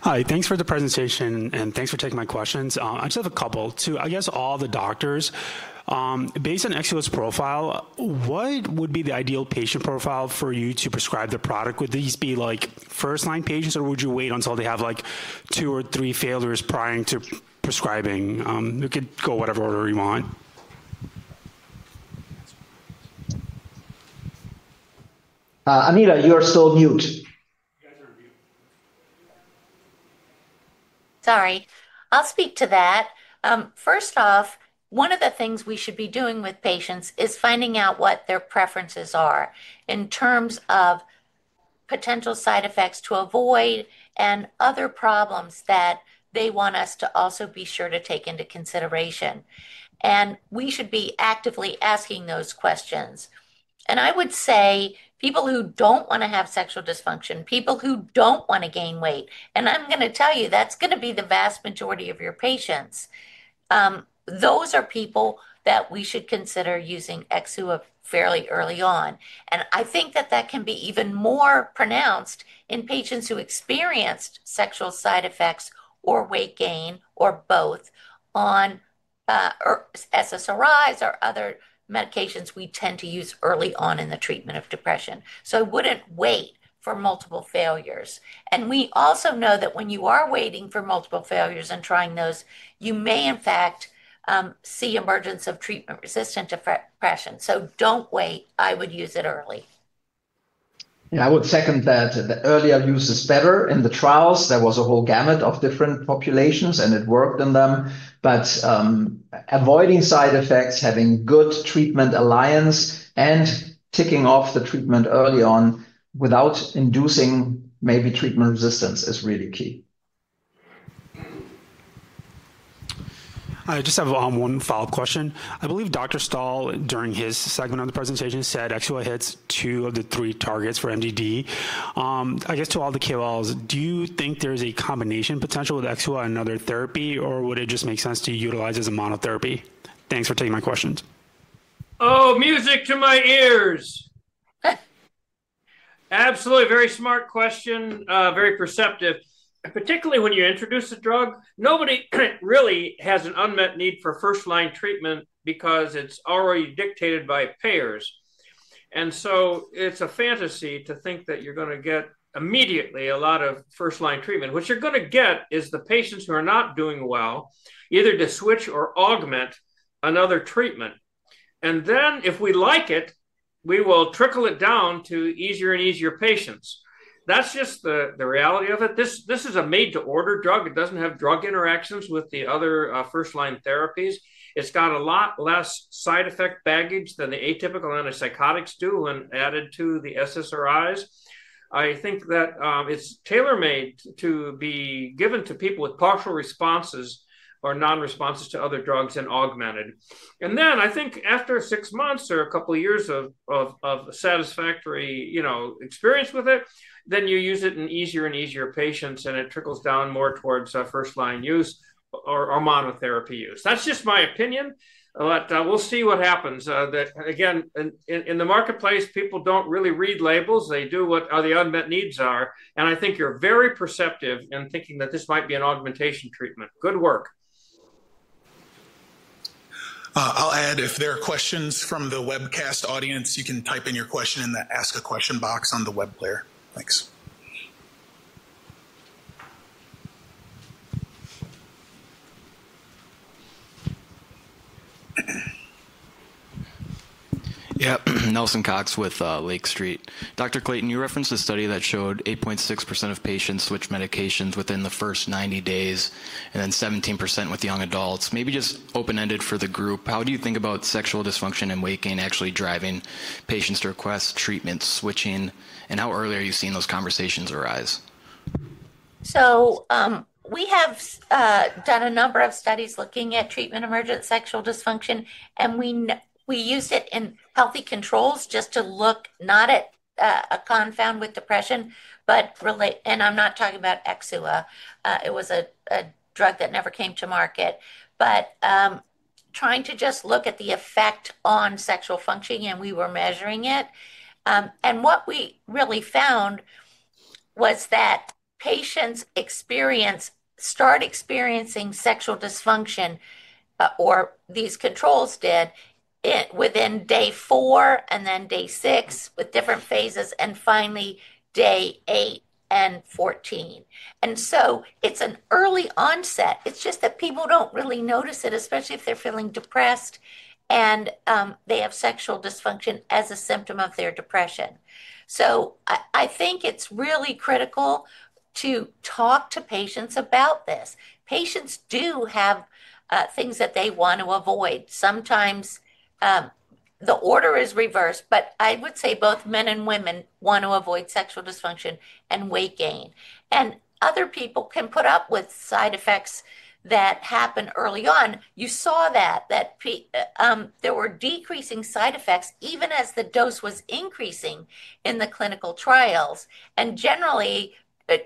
[SPEAKER 6] Hi, thanks for the presentation, and thanks for taking my questions. I just have a couple to, I guess, all the doctors. Based on Exxua's profile, what would be the ideal patient profile for you to prescribe the product? Would these be like first-line patients, or would you wait until they have like two or three failures prior to prescribing? You could go whatever order you want.
[SPEAKER 4] Anita, you are still mute.
[SPEAKER 5] Sorry. I'll speak to that. First off, one of the things we should be doing with patients is finding out what their preferences are in terms of potential side effects to avoid and other problems that they want us to also be sure to take into consideration. And we should be actively asking those questions. And I would say people who don't want to have sexual dysfunction, people who don't want to gain weight, and I'm going to tell you that's going to be the vast majority of your patients. Those are people that we should consider using Exxua fairly early on. And I think that that can be even more pronounced in patients who experienced sexual side effects or weight gain or both on SSRIs or other medications we tend to use early on in the treatment of depression. So I wouldn't wait for multiple failures. We also know that when you are waiting for multiple failures and trying those, you may, in fact, see emergence of treatment-resistant depression. So don't wait. I would use it early.
[SPEAKER 4] Yeah, I would second that the earlier use is better in the trials. There was a whole gamut of different populations, and it worked in them. But avoiding side effects, having good treatment alliance, and ticking off the treatment early on without inducing maybe treatment resistance is really key.
[SPEAKER 6] I just have one follow-up question. I believe Dr. Stahl, during his segment on the presentation, said Exxua hits two of the three targets for MDD. I guess to all the KOLs, do you think there's a combination potential with Exxua and other therapy, or would it just make sense to utilize as a monotherapy? Thanks for taking my questions.
[SPEAKER 3] Oh, music to my ears. Absolutely, very smart question, very perceptive. Particularly when you introduce a drug, nobody really has an unmet need for first-line treatment because it's already dictated by payers, and so it's a fantasy to think that you're going to get immediately a lot of first-line treatment. What you're going to get is the patients who are not doing well either to switch or augment another treatment, and then if we like it, we will trickle it down to easier and easier patients. That's just the reality of it. This is a made-to-order drug. It doesn't have drug interactions with the other first-line therapies. It's got a lot less side effect baggage than the atypical antipsychotics do when added to the SSRIs. I think that it's tailor-made to be given to people with partial responses or non-responses to other drugs and augmented. And then I think after six months or a couple of years of satisfactory experience with it, then you use it in easier and easier patients, and it trickles down more towards first line use or monotherapy use. That's just my opinion, but we'll see what happens. Again, in the marketplace, people don't really read labels. They do what the unmet needs are. And I think you're very perceptive in thinking that this might be an augmentation treatment. Good work.
[SPEAKER 2] I'll add, if there are questions from the webcast audience, you can type in your question in the ask a question box on the web player. Thanks.
[SPEAKER 7] Yeah, Nelson Cox with Lake Street. Dr. Clayton, you referenced a study that showed 8.6% of patients switch medications within the first 90 days and then 17% with young adults. Maybe just open-ended for the group, how do you think about sexual dysfunction and weight gain actually driving patients to request treatment switching, and how early are you seeing those conversations arise?
[SPEAKER 5] We have done a number of studies looking at treatment emergent sexual dysfunction, and we used it in healthy controls just to look not at a confound with depression, but relate, and I'm not talking about Exxua. It was a drug that never came to market, but trying to just look at the effect on sexual functioning, and we were measuring it. What we really found was that patients start experiencing sexual dysfunction, or these controls did, within day four and then day six with different phases, and finally day eight and 14. It's an early onset. It's just that people don't really notice it, especially if they're feeling depressed and they have sexual dysfunction as a symptom of their depression. I think it's really critical to talk to patients about this. Patients do have things that they want to avoid. Sometimes the order is reversed, but I would say both men and women want to avoid sexual dysfunction and weight gain. And other people can put up with side effects that happen early on. You saw that there were decreasing side effects even as the dose was increasing in the clinical trials. And generally,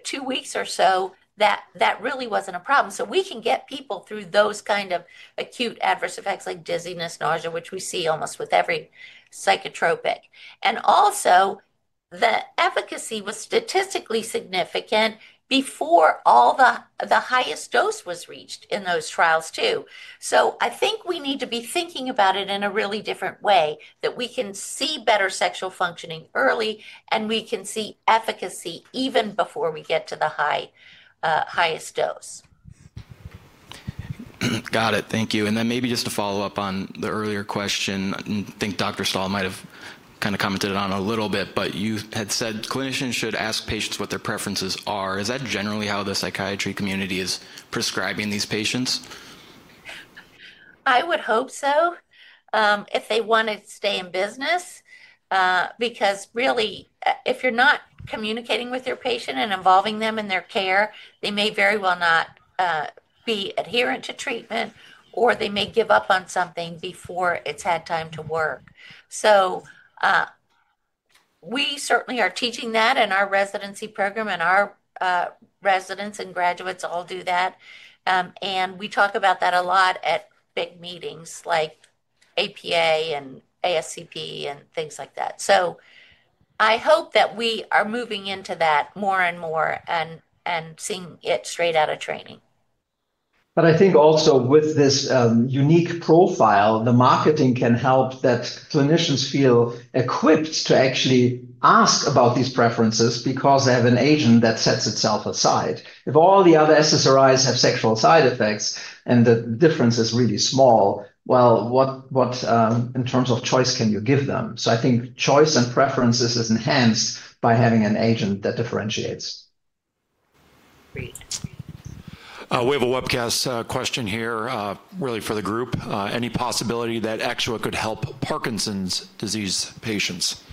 [SPEAKER 5] two weeks or so, that really wasn't a problem. So we can get people through those kind of acute adverse effects like dizziness, nausea, which we see almost with every psychotropic. And also, the efficacy was statistically significant before all the highest dose was reached in those trials too. So I think we need to be thinking about it in a really different way that we can see better sexual functioning early, and we can see efficacy even before we get to the highest dose.
[SPEAKER 6] Got it. Thank you. And then maybe just to follow up on the earlier question, I think Dr. Stahl might have kind of commented on a little bit, but you had said clinicians should ask patients what their preferences are. Is that generally how the psychiatry community is prescribing these patients?
[SPEAKER 5] I would hope so if they want to stay in business, because really, if you're not communicating with your patient and involving them in their care, they may very well not be adherent to treatment, or they may give up on something before it's had time to work, so we certainly are teaching that in our residency program, and our residents and graduates all do that, and we talk about that a lot at big meetings like APA and ASCP and things like that, so I hope that we are moving into that more and more and seeing it straight out of training.
[SPEAKER 4] But I think also with this unique profile, the marketing can help that clinicians feel equipped to actually ask about these preferences because they have an agent that sets itself aside. If all the other SSRIs have sexual side effects and the difference is really small, well, what in terms of choice can you give them? So I think choice and preferences is enhanced by having an agent that differentiates.
[SPEAKER 1] We have a webcast question here really for the group. Any possibility that Exxua could help Parkinson's disease patients?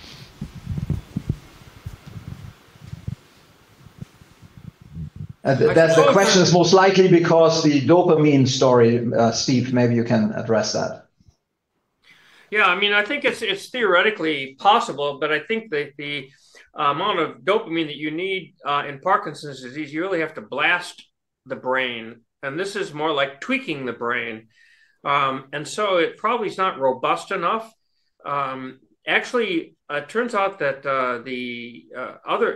[SPEAKER 4] That's the question, is most likely because the dopamine story, Steve. Maybe you can address that.
[SPEAKER 3] Yeah, I mean, I think it's theoretically possible, but I think that the amount of dopamine that you need in Parkinson's disease, you really have to blast the brain, and this is more like tweaking the brain. And so, it probably is not robust enough. Actually, it turns out that the other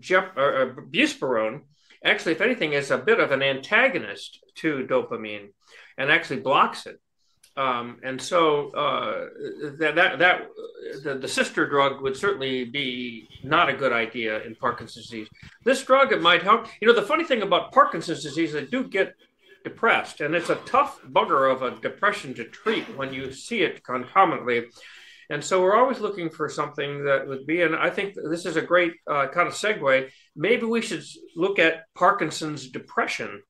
[SPEAKER 3] azapirone buspirone, actually, if anything, is a bit of an antagonist to dopamine and actually blocks it. And so, the sister drug would certainly be not a good idea in Parkinson's disease. This drug, it might help. You know, the funny thing about Parkinson's disease is they do get depressed, and it's a tough bugger of a depression to treat when you see it concomitantly. And so, we're always looking for something that would be, and I think this is a great kind of segue. Maybe we should look at Parkinson's depression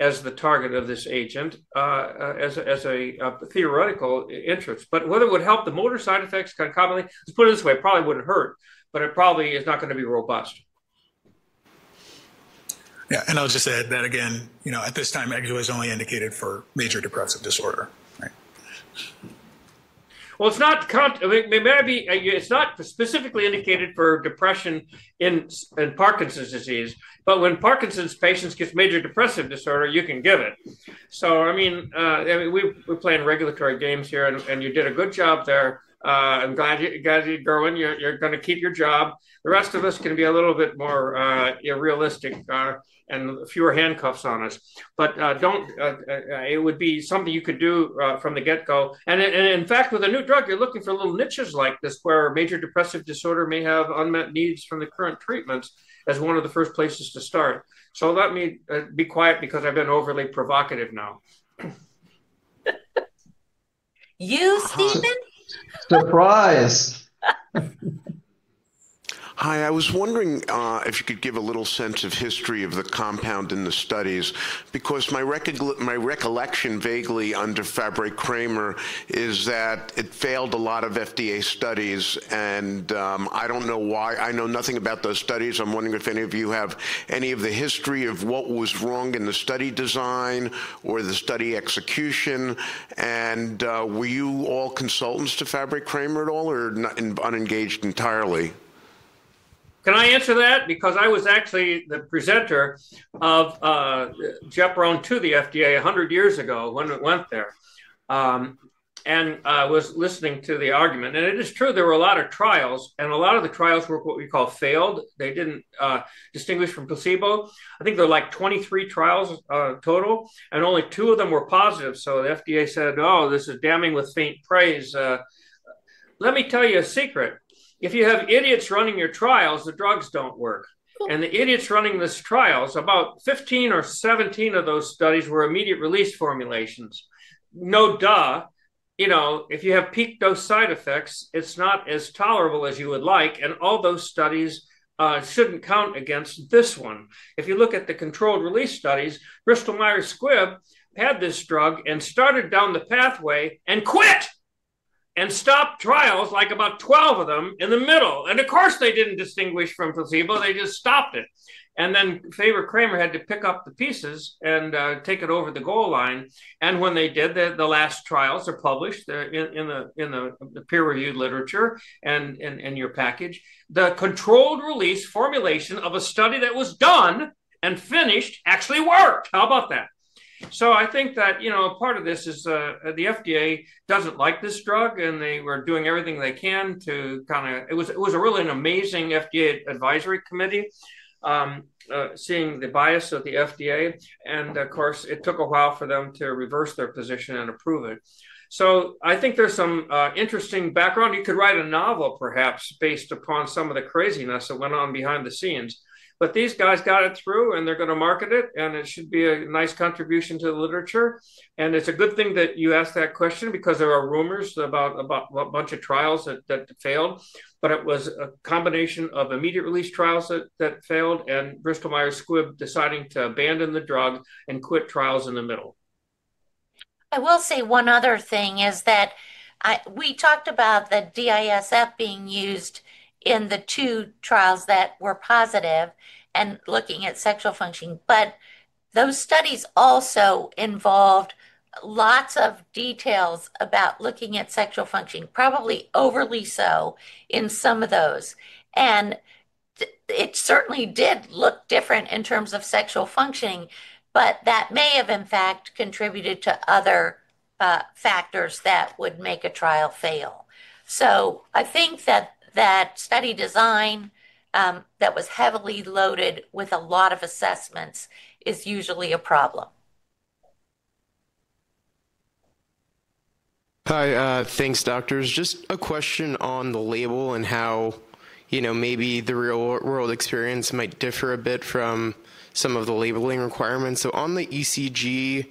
[SPEAKER 3] as the target of this agent as a theoretical interest, but whether it would help the motor side effects concomitantly, let's put it this way, it probably wouldn't hurt, but it probably is not going to be robust.
[SPEAKER 1] Yeah. And I'll just add that again, you know, at this time, Exxua is only indicated for major depressive disorder.
[SPEAKER 3] It's not specifically indicated for depression in Parkinson's disease, but when Parkinson's patients get major depressive disorder, you can give it. So, I mean, we're playing regulatory games here, and you did a good job there. I'm glad you're going to keep your job. The rest of us can be a little bit more realistic and fewer handcuffs on us. But it would be something you could do from the get-go. And in fact, with a new drug, you're looking for little niches like this where major depressive disorder may have unmet needs from the current treatments as one of the first places to start. So let me be quiet because I've been overly provocative now.
[SPEAKER 5] You, Steven?
[SPEAKER 4] Surprise.
[SPEAKER 6] Hi, I was wondering if you could give a little sense of history of the compound in the studies because my recollection, vaguely under Fabre-Kramer, is that it failed a lot of FDA studies, and I don't know why. I know nothing about those studies. I'm wondering if any of you have any of the history of what was wrong in the study design or the study execution, and were you all consultants to Fabre-Kramer at all or unengaged entirely?
[SPEAKER 3] Can I answer that? Because I was actually the presenter of gepirone, the FDA 100 years ago when it went there and was listening to the argument. And it is true there were a lot of trials, and a lot of the trials were what we call failed. They didn't distinguish from placebo. I think there were like 23 trials total, and only two of them were positive. So the FDA said, "Oh, this is damning with faint praise." Let me tell you a secret. If you have idiots running your trials, the drugs don't work. And the idiots running these trials, about 15 or 17 of those studies were immediate release formulations. No duh. You know, if you have peak dose side effects, it's not as tolerable as you would like. And all those studies shouldn't count against this one. If you look at the controlled release studies, Bristol Myers Squibb had this drug and started down the pathway and quit and stopped trials like about 12 of them in the middle, and of course, they didn't distinguish from placebo. They just stopped it, and then Fabre-Kramer had to pick up the pieces and take it over the goal line. And when they did, the last trials are published in the peer-reviewed literature and in your package. The controlled release formulation of a study that was done and finished actually worked. How about that? I think that, you know, part of this is the FDA doesn't like this drug, and they were doing everything they can to kind of, it was really an amazing FDA advisory committee seeing the bias of the FDA. And of course, it took a while for them to reverse their position and approve it. So I think there's some interesting background. You could write a novel perhaps based upon some of the craziness that went on behind the scenes. But these guys got it through, and they're going to market it, and it should be a nice contribution to the literature. And it's a good thing that you asked that question because there are rumors about a bunch of trials that failed, but it was a combination of immediate release trials that failed and Bristol Myers Squibb deciding to abandon the drug and quit trials in the middle.
[SPEAKER 5] I will say one other thing is that we talked about the DISF being used in the two trials that were positive and looking at sexual functioning, but those studies also involved lots of details about looking at sexual functioning, probably overly so in some of those. And it certainly did look different in terms of sexual functioning, but that may have in fact contributed to other factors that would make a trial fail. So I think that that study design that was heavily loaded with a lot of assessments is usually a problem.
[SPEAKER 6] Hi, thanks, doctors. Just a question on the label and how, you know, maybe the real-world experience might differ a bit from some of the labeling requirements. So on the ECG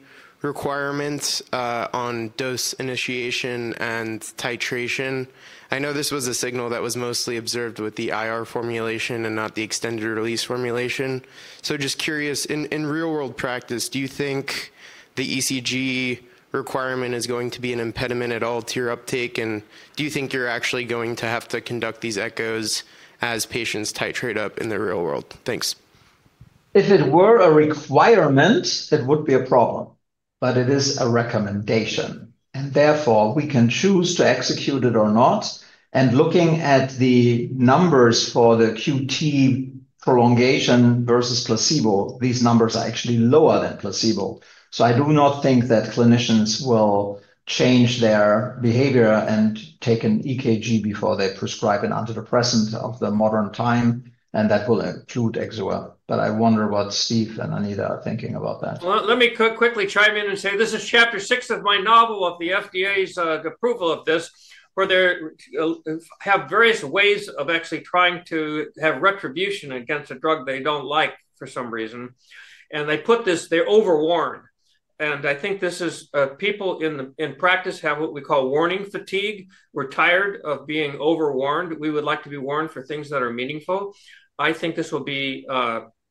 [SPEAKER 6] requirements on dose initiation and titration, I know this was a signal that was mostly observed with the IR formulation and not the extended-release formulation. So just curious, in real-world practice, do you think the ECG requirement is going to be an impediment at all to your uptake? And do you think you're actually going to have to conduct these ECGs as patients titrate up in the real world? Thanks.
[SPEAKER 4] If it were a requirement, it would be a problem, but it is a recommendation. And therefore, we can choose to execute it or not. And looking at the numbers for the QT prolongation versus placebo, these numbers are actually lower than placebo. So I do not think that clinicians will change their behavior and take an EKG before they prescribe an antidepressant of the modern time, and that will include Exxua. But I wonder what Steve and Anita are thinking about that.
[SPEAKER 3] Let me quickly chime in and say this is chapter six of my novel of the FDA's approval of this where they have various ways of actually trying to have retribution against a drug they don't like for some reason, and they put this, they're overwarned, and I think this is people in practice have what we call warning fatigue. We're tired of being overwarned. We would like to be warned for things that are meaningful. I think this will be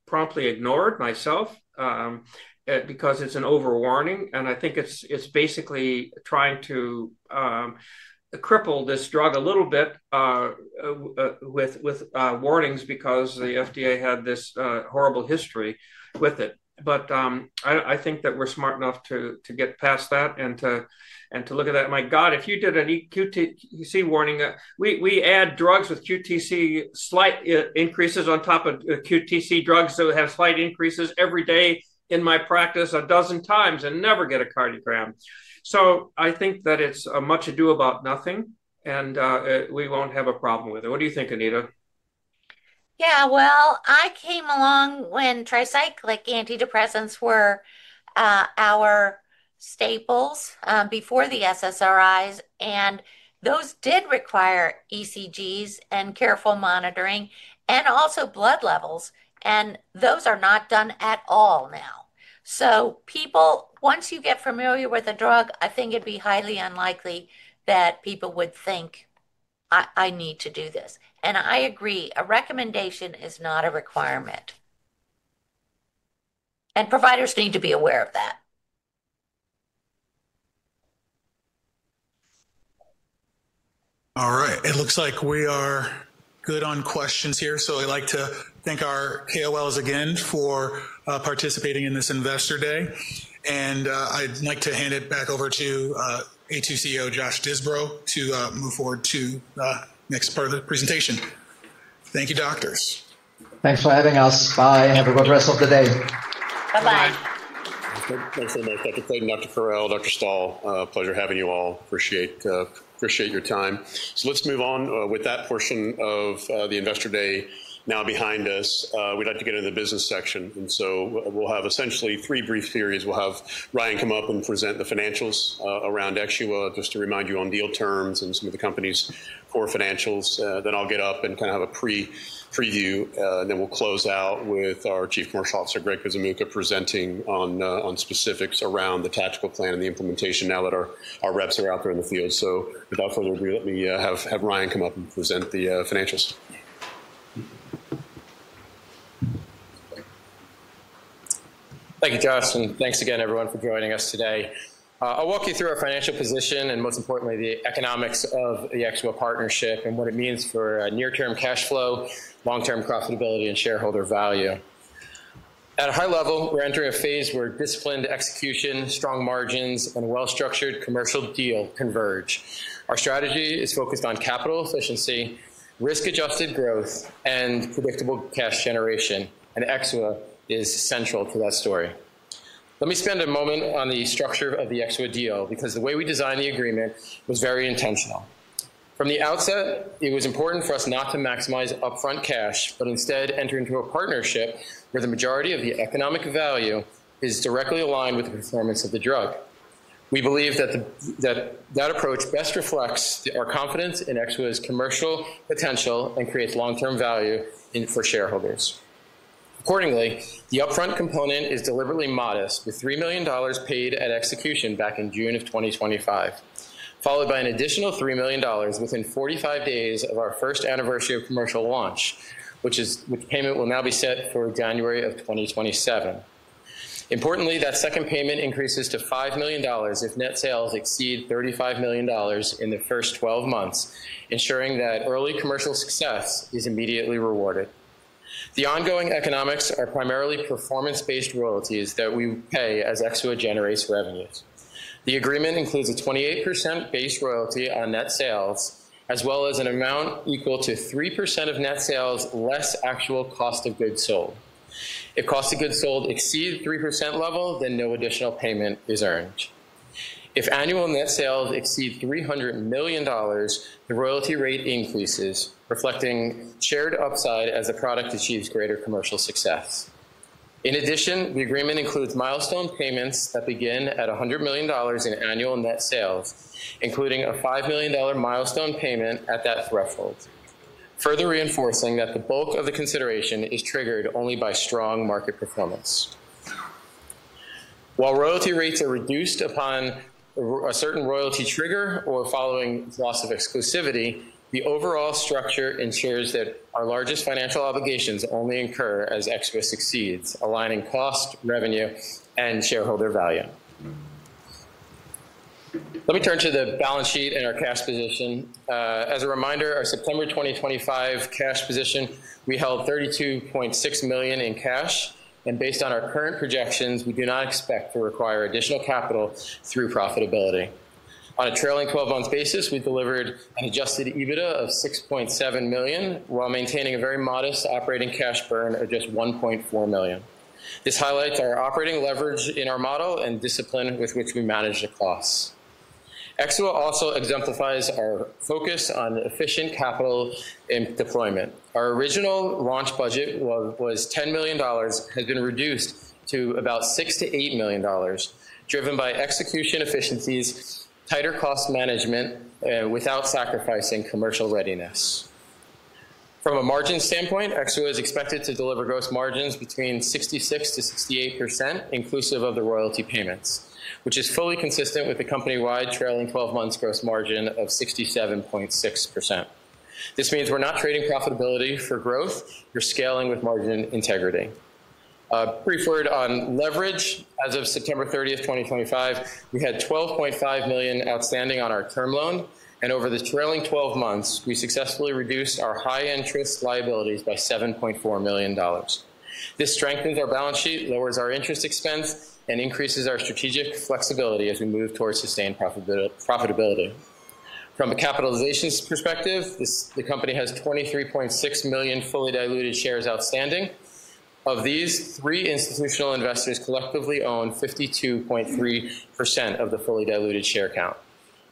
[SPEAKER 3] promptly ignored myself because it's an overwarning, and I think it's basically trying to cripple this drug a little bit with warnings because the FDA had this horrible history with it, but I think that we're smart enough to get past that and to look at that. My God, if you did a QTc warning, we add drugs with QTc slight increases on top of QTc drugs that have slight increases every day in my practice a dozen times and never get a cardiogram. So I think that it's much ado about nothing, and we won't have a problem with it. What do you think, Anita?
[SPEAKER 5] Yeah, well, I came along when tricyclic antidepressants were our staples before the SSRIs, and those did require ECGs and careful monitoring and also blood levels. And those are not done at all now. So people, once you get familiar with a drug, I think it'd be highly unlikely that people would think, "I need to do this." And I agree, a recommendation is not a requirement. And providers need to be aware of that.
[SPEAKER 2] All right. It looks like we are good on questions here. So, I'd like to thank our KOLs again for participating in this investor day. And I'd like to hand it back over to Aytu's CEO Josh Disbrow to move forward to the next part of the presentation. Thank you, doctors.
[SPEAKER 4] Thanks for having us. Bye. Have a good rest of the day.
[SPEAKER 5] Bye-bye.
[SPEAKER 1] Thanks so much. Dr. Clayton, Dr. Farrell, Dr. Stahl, pleasure having you all. Appreciate your time, so let's move on with that portion of the investor day now behind us. We'd like to get into the business section, and so we'll have essentially three brief series. We'll have Ryan come up and present the financials around Exxua just to remind you on deal terms and some of the company's core financials. Then I'll get up and kind of have a preview, and then we'll close out with our Chief Commercial Officer, Greg Pizzia, presenting on specifics around the tactical plan and the implementation now that our reps are out there in the field. So, without further ado, let me have Ryan come up and present the financials.
[SPEAKER 8] Thank you, Josh, and thanks again, everyone, for joining us today. I'll walk you through our financial position and most importantly, the economics of the Exxua partnership and what it means for near-term cash flow, long-term profitability, and shareholder value. At a high level, we're entering a phase where disciplined execution, strong margins, and well-structured commercial deal converge. Our strategy is focused on capital efficiency, risk-adjusted growth, and predictable cash generation, and Exxua is central to that story. Let me spend a moment on the structure of the Exxua deal because the way we designed the agreement was very intentional. From the outset, it was important for us not to maximize upfront cash but instead enter into a partnership where the majority of the economic value is directly aligned with the performance of the drug. We believe that that approach best reflects our confidence in Exxua's commercial potential and creates long-term value for shareholders. Accordingly, the upfront component is deliberately modest, with $3 million paid at execution back in June of 2025, followed by an additional $3 million within 45 days of our first anniversary of commercial launch, which payment will now be set for January of 2027. Importantly, that second payment increases to $5 million if net sales exceed $35 million in the first 12 months, ensuring that early commercial success is immediately rewarded. The ongoing economics are primarily performance-based royalties that we pay as Exxua generates revenues. The agreement includes a 28% base royalty on net sales, as well as an amount equal to 3% of net sales less actual cost of goods sold. If cost of goods sold exceeds 3% level, then no additional payment is earned. If annual net sales exceed $300 million, the royalty rate increases, reflecting shared upside as the product achieves greater commercial success. In addition, the agreement includes milestone payments that begin at $100 million in annual net sales, including a $5 million milestone payment at that threshold, further reinforcing that the bulk of the consideration is triggered only by strong market performance. While royalty rates are reduced upon a certain royalty trigger or following loss of exclusivity, the overall structure ensures that our largest financial obligations only incur as Exxua succeeds, aligning cost, revenue, and shareholder value. Let me turn to the balance sheet and our cash position. As a reminder, our September 2025 cash position, we held $32.6 million in cash, and based on our current projections, we do not expect to require additional capital through profitability. On a trailing 12-month basis, we delivered an adjusted EBITDA of $6.7 million while maintaining a very modest operating cash burn of just $1.4 million. This highlights our operating leverage in our model and discipline with which we manage the costs. Exua also exemplifies our focus on efficient capital deployment. Our original launch budget was $10 million and has been reduced to about $6-$8 million, driven by execution efficiencies, tighter cost management, and without sacrificing commercial readiness. From a margin standpoint, Exua is expected to deliver gross margins between 66%-68%, inclusive of the royalty payments, which is fully consistent with the company-wide trailing 12-month gross margin of 67.6%. This means we're not trading profitability for growth. We're scaling with margin integrity. A brief word on leverage. As of September 30th, 2025, we had $12.5 million outstanding on our term loan. Over the trailing 12 months, we successfully reduced our high-interest liabilities by $7.4 million. This strengthens our balance sheet, lowers our interest expense, and increases our strategic flexibility as we move towards sustained profitability. From a capitalization perspective, the company has 23.6 million fully diluted shares outstanding. Of these, three institutional investors collectively own 52.3% of the fully diluted share count.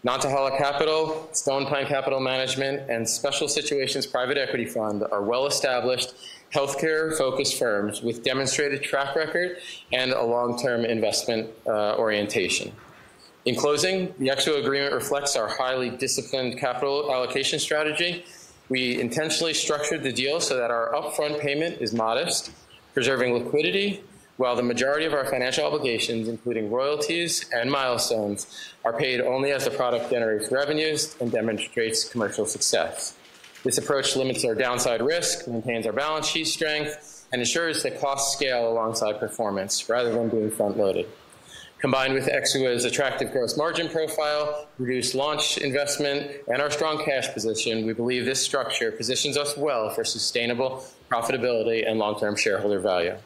[SPEAKER 8] Nantahala Capital Management, Stonepine Capital Management, and Special Situations Private Equity Fund are well-established healthcare-focused firms with demonstrated track record and a long-term investment orientation. In closing, the Exxua agreement reflects our highly disciplined capital allocation strategy. We intentionally structured the deal so that our upfront payment is modest, preserving liquidity, while the majority of our financial obligations, including royalties and milestones, are paid only as the product generates revenues and demonstrates commercial success. This approach limits our downside risk, maintains our balance sheet strength, and ensures that costs scale alongside performance rather than being front-loaded. Combined with Exxua's attractive gross margin profile, reduced launch investment, and our strong cash position, we believe this structure positions us well for sustainable profitability and long-term shareholder value.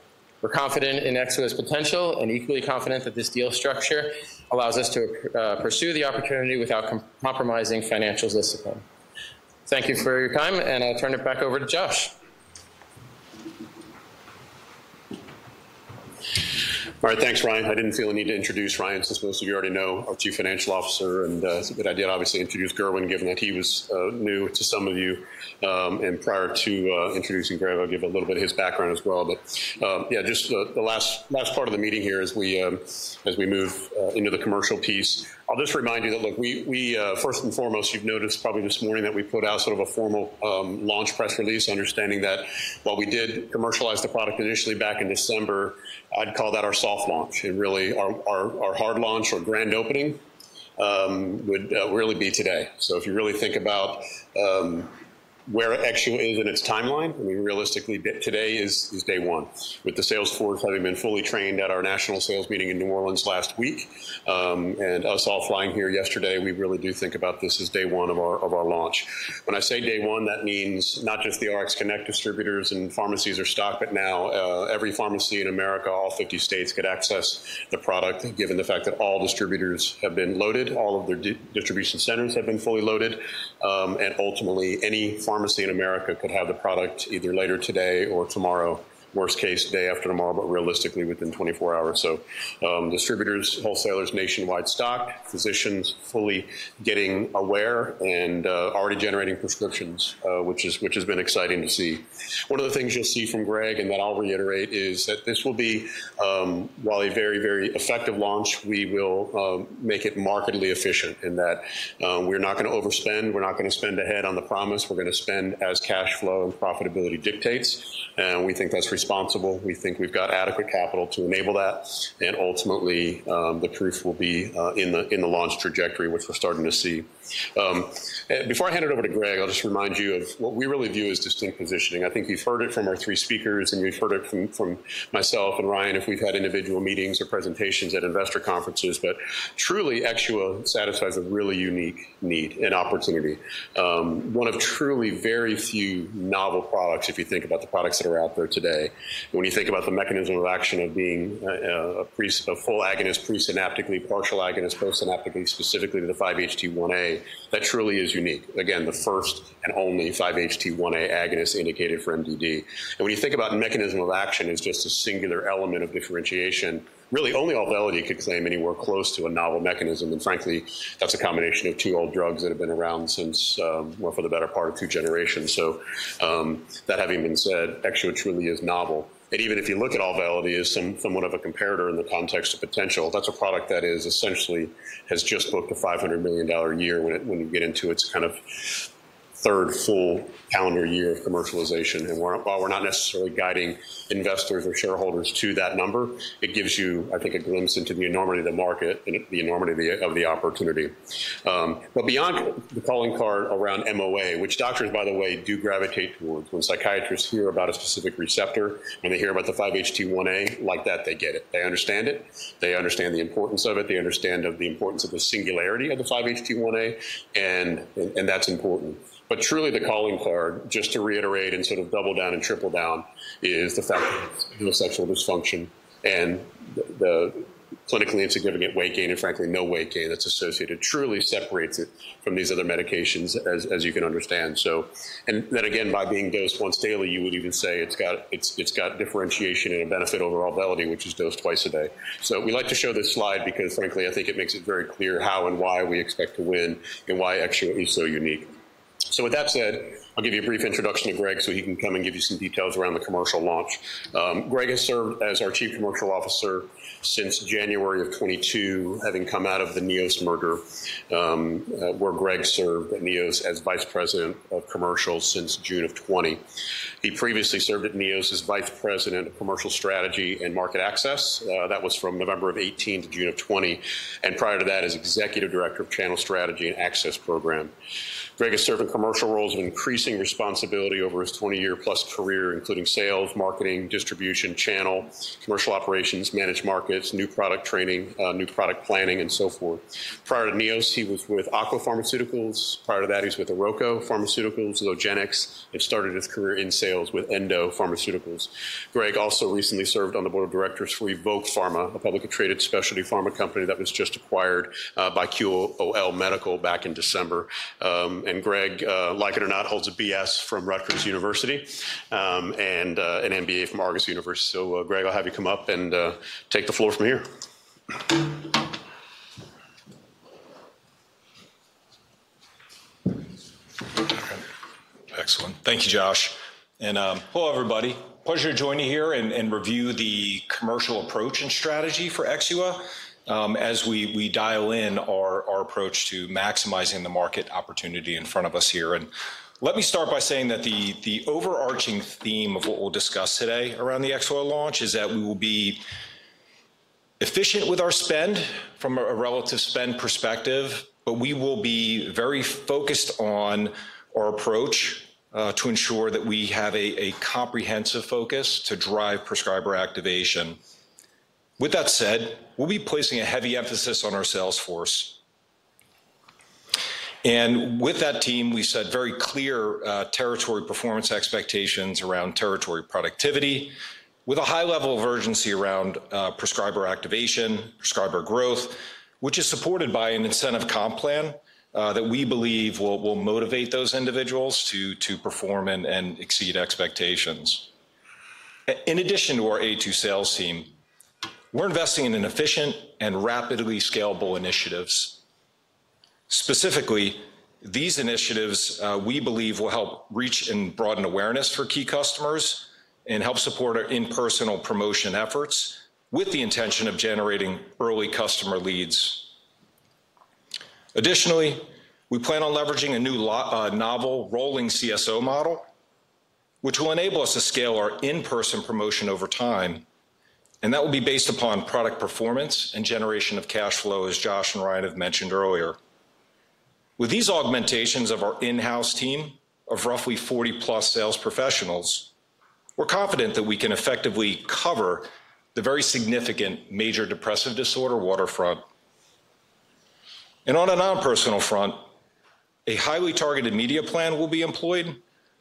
[SPEAKER 8] We're confident in Exxua's potential and equally confident that this deal structure allows us to pursue the opportunity without compromising financial discipline. Thank you for your time, and I'll turn it back over to Josh.
[SPEAKER 1] All right, thanks, Ryan. I didn't feel the need to introduce Ryan, since most of you already know our Chief Financial Officer, and it's a good idea, obviously, to introduce Gerwin, given that he was new to some of you, and prior to introducing Gerwin, I'll give a little bit of his background as well, but yeah, just the last part of the meeting here as we move into the commercial piece. I'll just remind you that, look, first and foremost, you've noticed probably this morning that we put out sort of a formal launch press release, understanding that while we did commercialize the product initially back in December, I'd call that our soft launch, and really, our hard launch or grand opening would really be today, so if you really think about where Exua is in its timeline, I mean, realistically, today is day one. With the sales force having been fully trained at our national sales meeting in New Orleans last week and us all flying here yesterday, we really do think about this as day one of our launch. When I say day one, that means not just the RX Connect distributors and pharmacies are stocked, but now every pharmacy in America, all 50 states, could access the product, given the fact that all distributors have been loaded, all of their distribution centers have been fully loaded, and ultimately, any pharmacy in America could have the product either later today or tomorrow, worst case, day after tomorrow, but realistically, within 24 hours, so distributors, wholesalers, nationwide stock, physicians fully getting aware and already generating prescriptions, which has been exciting to see. One of the things you'll see from Greg, and that I'll reiterate, is that this will be, while a very, very effective launch, we will make it markedly efficient in that we're not going to overspend. We're not going to spend ahead on the promise. We're going to spend as cash flow and profitability dictates. And we think that's responsible. We think we've got adequate capital to enable that. And ultimately, the proof will be in the launch trajectory, which we're starting to see. Before I hand it over to Greg, I'll just remind you of what we really view as distinct positioning. I think you've heard it from our three speakers, and you've heard it from myself and Ryan if we've had individual meetings or presentations at investor conferences. But truly, Exxua satisfies a really unique need and opportunity. One of truly very few novel products, if you think about the products that are out there today. When you think about the mechanism of action of being a full agonist, presynaptically, partial agonist, postsynaptically, specifically to the 5-HT1A, that truly is unique. Again, the first and only 5-HT1A agonist indicated for MDD. And when you think about mechanism of action as just a singular element of differentiation, really, only although you could claim anywhere close to a novel mechanism. And frankly, that's a combination of two old drugs that have been around since for the better part of two generations. So that having been said, Exxua truly is novel. Even if you look at Auvelity as somewhat of a comparator in the context of potential, that's a product that essentially has just booked $500 million a year when you get into its kind of third full calendar year of commercialization. While we're not necessarily guiding investors or shareholders to that number, it gives you, I think, a glimpse into the enormity of the market and the enormity of the opportunity. Beyond the calling card around MOA, which doctors, by the way, do gravitate towards, when psychiatrists hear about a specific receptor and they hear about the 5-HT1A, like that, they get it. They understand it. They understand the importance of it. They understand the importance of the singularity of the 5-HT1A. That's important. But truly, the calling card, just to reiterate and sort of double down and triple down, is the fact that sexual dysfunction and the clinically insignificant weight gain and frankly, no weight gain that's associated truly separates it from these other medications, as you can understand. And that again, by being dosed once daily, you would even say it's got differentiation and a benefit over Auvelity, which is dosed twice a day. So, we like to show this slide because, frankly, I think it makes it very clear how and why we expect to win and why Exua is so unique. So, with that said, I'll give you a brief introduction to Greg so he can come and give you some details around the commercial launch. Greg has served as our Chief Commercial Officer since January of 2022, having come out of the Neos merger where Greg served at Neos as vice president of commercials since June of 2020. He previously served at Neos as vice president of commercial strategy and market access. That was from November of 2018 to June of 2020. Prior to that, as executive director of channel strategy and access program. Greg has served in commercial roles of increasing responsibility over his 20-year-plus career, including sales, marketing, distribution, channel, commercial operations, managed markets, new product training, new product planning, and so forth. Prior to Neos, he was with Aqua Pharmaceuticals. Prior to that, he was with Arbor Pharmaceuticals, Logenex, and started his career in sales with Endo Pharmaceuticals. Greg also recently served on the board of directors for Evoke Pharma, a publicly traded specialty pharma company that was just acquired by QOL Medical back in December. And Greg, like it or not, holds a BS from Rutgers University and an MBA from Argosy University. So Greg, I'll have you come up and take the floor from here.
[SPEAKER 9] Excellent. Thank you, Josh. And hello, everybody. Pleasure to join you here and review the commercial approach and strategy for Exxua as we dial in our approach to maximizing the market opportunity in front of us here. And let me start by saying that the overarching theme of what we'll discuss today around the Exxua launch is that we will be efficient with our spend from a relative spend perspective, but we will be very focused on our approach to ensure that we have a comprehensive focus to drive prescriber activation. With that said, we'll be placing a heavy emphasis on our sales force. And with that team, we set very clear territory performance expectations around territory productivity with a high level of urgency around prescriber activation, prescriber growth, which is supported by an incentive comp plan that we believe will motivate those individuals to perform and exceed expectations. In addition to our Aytu sales team, we're investing in efficient and rapidly scalable initiatives. Specifically, these initiatives we believe will help reach and broaden awareness for key customers and help support our in-person promotion efforts with the intention of generating early customer leads. Additionally, we plan on leveraging a new novel rolling CSO model, which will enable us to scale our in-person promotion over time. And that will be based upon product performance and generation of cash flow, as Josh and Ryan have mentioned earlier. With these augmentations of our in-house team of roughly 40-plus sales professionals, we're confident that we can effectively cover the very significant major depressive disorder waterfront. And on a non-personal front, a highly targeted media plan will be employed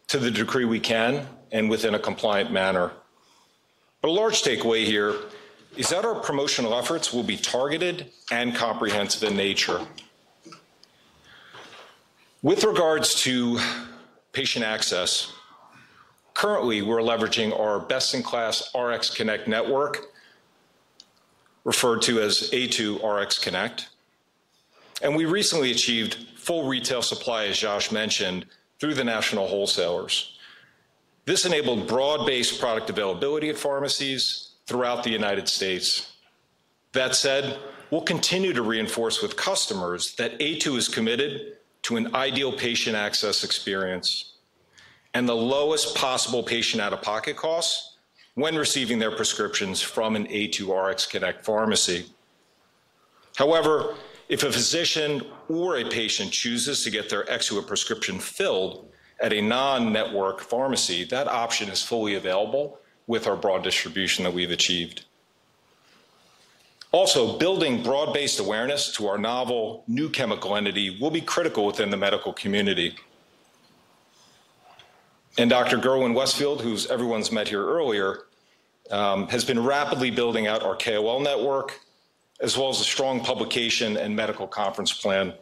[SPEAKER 9] to the degree we can and within a compliant manner. But a large takeaway here is that our promotional efforts will be targeted and comprehensive in nature. With regards to patient access, currently, we're leveraging our best-in-class AytuRxConnect network, referred to as AytuRxConnect. And we recently achieved full retail supply, as Josh mentioned, through the national wholesalers. This enabled broad-based product availability at pharmacies throughout the United States. That said, we'll continue to reinforce with customers that Aytu is committed to an ideal patient access experience and the lowest possible patient out-of-pocket costs when receiving their prescriptions from an AytuRx Connect pharmacy. However, if a physician or a patient chooses to get their Exxua prescription filled at a non-network pharmacy, that option is fully available with our broad distribution that we've achieved. Also, building broad-based awareness to our novel new chemical entity will be critical within the medical community. And Dr. Graig Suvannavejh, who's everyone's met here earlier, has been rapidly building out our KOL network, as well as a strong publication and medical conference plan.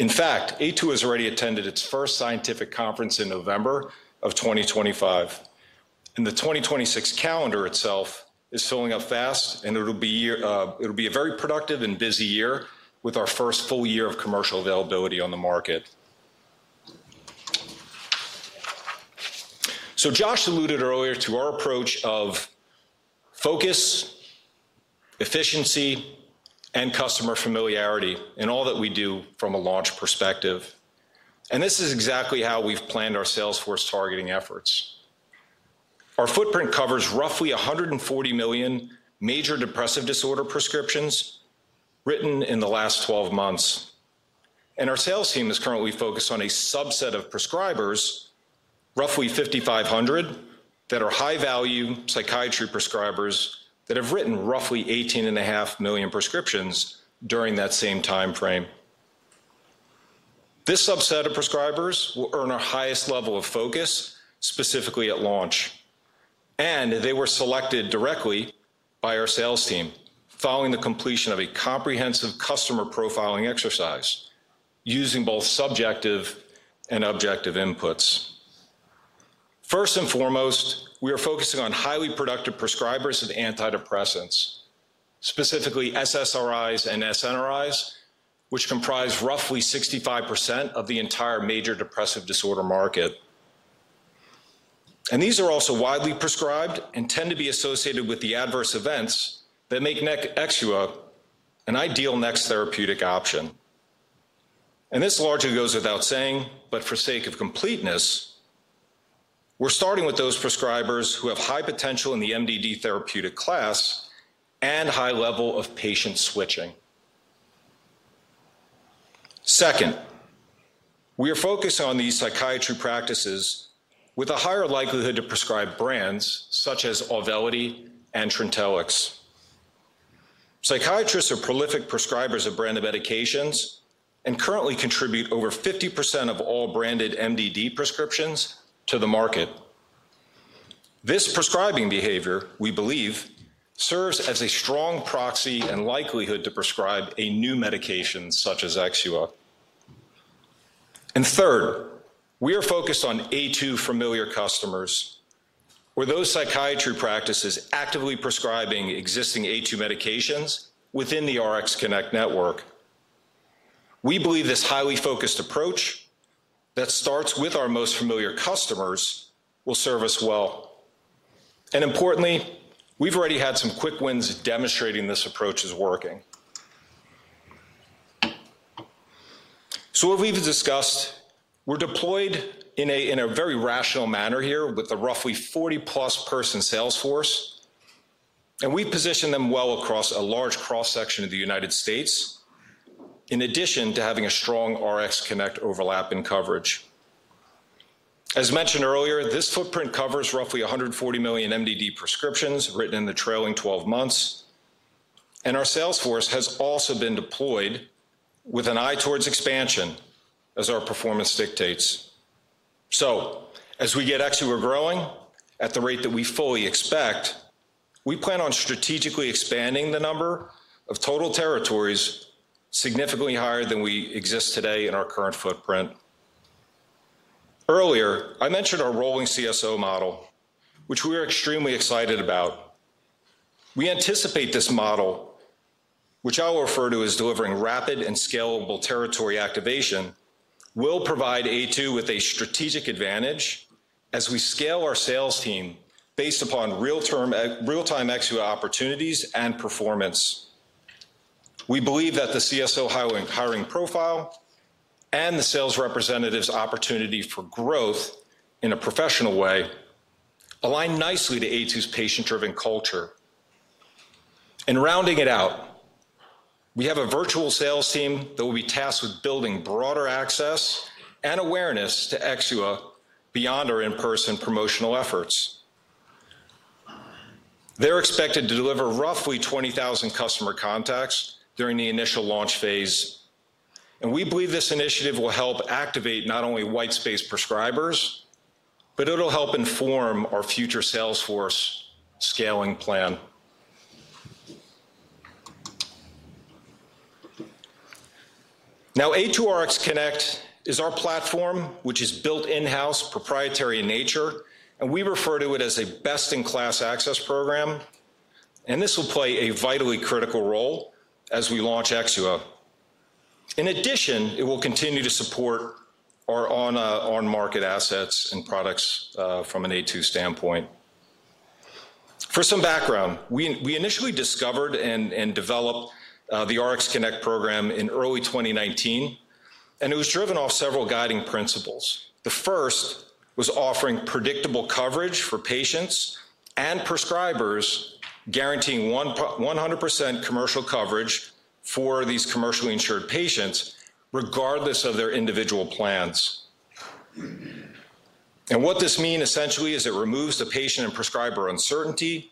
[SPEAKER 9] In fact, Aytu has already attended its first scientific conference in November of 2025, and the 2026 calendar itself is filling up fast, and it'll be a very productive and busy year with our first full year of commercial availability on the market, so Josh alluded earlier to our approach of focus, efficiency, and customer familiarity in all that we do from a launch perspective, and this is exactly how we've planned our sales force targeting efforts. Our footprint covers roughly 140 million major depressive disorder prescriptions written in the last 12 months. Our sales team is currently focused on a subset of prescribers, roughly 5,500, that are high-value psychiatry prescribers that have written roughly 18.5 million prescriptions during that same timeframe. This subset of prescribers will earn our highest level of focus, specifically at launch. They were selected directly by our sales team following the completion of a comprehensive customer profiling exercise using both subjective and objective inputs. First and foremost, we are focusing on highly productive prescribers of antidepressants, specifically SSRIs and SNRIs, which comprise roughly 65% of the entire major depressive disorder market. These are also widely prescribed and tend to be associated with the adverse events that make Exxua an ideal next therapeutic option. This largely goes without saying, but for sake of completeness, we're starting with those prescribers who have high potential in the MDD therapeutic class and high level of patient switching. Second, we are focused on these psychiatry practices with a higher likelihood to prescribe brands such as Auvelity and Trintellix. Psychiatrists are prolific prescribers of branded medications and currently contribute over 50% of all branded MDD prescriptions to the market. This prescribing behavior, we believe, serves as a strong proxy and likelihood to prescribe a new medication such as Exxua. And third, we are focused on Aytu familiar customers or those psychiatry practices actively prescribing existing Aytu medications within the RxConnect network. We believe this highly focused approach that starts with our most familiar customers will serve us well. And importantly, we've already had some quick wins demonstrating this approach is working. So what we've discussed, we're deployed in a very rational manner here with a roughly 40-plus person sales force. And we position them well across a large cross-section of the United States, in addition to having a strong RxConnect overlap in coverage. As mentioned earlier, this footprint covers roughly 140 million MDD prescriptions written in the trailing 12 months. And our sales force has also been deployed with an eye towards expansion as our performance dictates. So as we get Exxua growing at the rate that we fully expect, we plan on strategically expanding the number of total territories significantly higher than we exist today in our current footprint. Earlier, I mentioned our rolling CSO model, which we are extremely excited about. We anticipate this model, which I will refer to as delivering rapid and scalable territory activation, will provide Aytu with a strategic advantage as we scale our sales team based upon real-time Exxua opportunities and performance. We believe that the CSO highly empowering profile and the sales representative's opportunity for growth in a professional way align nicely to Aytu's patient-driven culture, and rounding it out, we have a virtual sales team that will be tasked with building broader access and awareness to Exxua beyond our in-person promotional efforts. They're expected to deliver roughly 20,000 customer contacts during the initial launch phase, and we believe this initiative will help activate not only white space prescribers, but it'll help inform our future sales force scaling plan. Now, AytuRx Connect is our platform, which is built in-house, proprietary in nature, and we refer to it as a best-in-class access program. And this will play a vitally critical role as we launch Exxua. In addition, it will continue to support our on-market assets and products from an Aytu standpoint. For some background, we initially discovered and developed the RX Connect program in early 2019, and it was driven off several guiding principles. The first was offering predictable coverage for patients and prescribers, guaranteeing 100% commercial coverage for these commercially insured patients, regardless of their individual plans. And what this means, essentially, is it removes the patient and prescriber uncertainty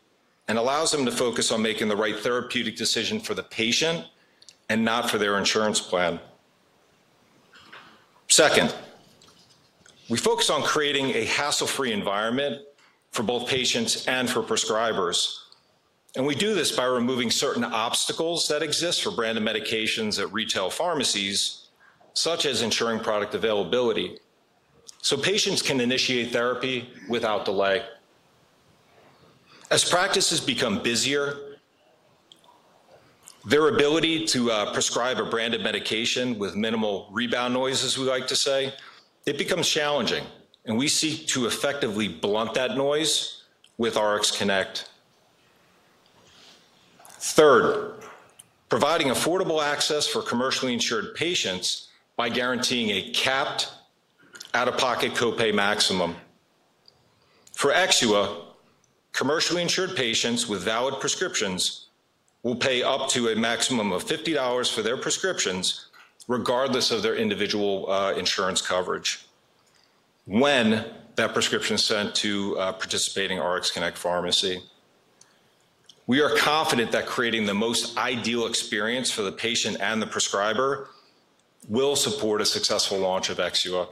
[SPEAKER 9] and allows them to focus on making the right therapeutic decision for the patient and not for their insurance plan. Second, we focus on creating a hassle-free environment for both patients and for prescribers. And we do this by removing certain obstacles that exist for branded medications at retail pharmacies, such as ensuring product availability, so patients can initiate therapy without delay. As practices become busier, their ability to prescribe a branded medication with minimal rebound noise, as we like to say, it becomes challenging, and we seek to effectively blunt that noise with RX Connect. Third, providing affordable access for commercially insured patients by guaranteeing a capped out-of-pocket copay maximum. For Exxua, commercially insured patients with valid prescriptions will pay up to a maximum of $50 for their prescriptions, regardless of their individual insurance coverage, when that prescription is sent to a participating RX Connect pharmacy. We are confident that creating the most ideal experience for the patient and the prescriber will support a successful launch of Exxua.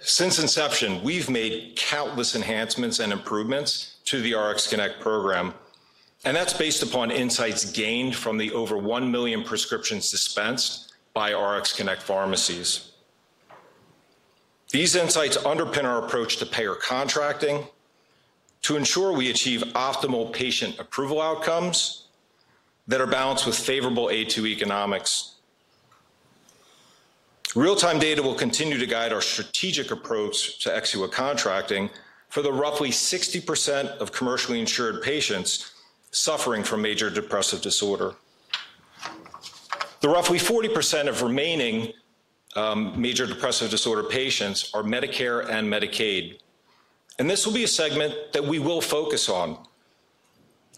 [SPEAKER 9] Since inception, we've made countless enhancements and improvements to the RX Connect program, and that's based upon insights gained from the over 1 million prescriptions dispensed by RX Connect pharmacies. These insights underpin our approach to payer contracting to ensure we achieve optimal patient approval outcomes that are balanced with favorable Aytu economics. Real-time data will continue to guide our strategic approach to Exxua contracting for the roughly 60% of commercially insured patients suffering from major depressive disorder. The roughly 40% of remaining major depressive disorder patients are Medicare and Medicaid, and this will be a segment that we will focus on,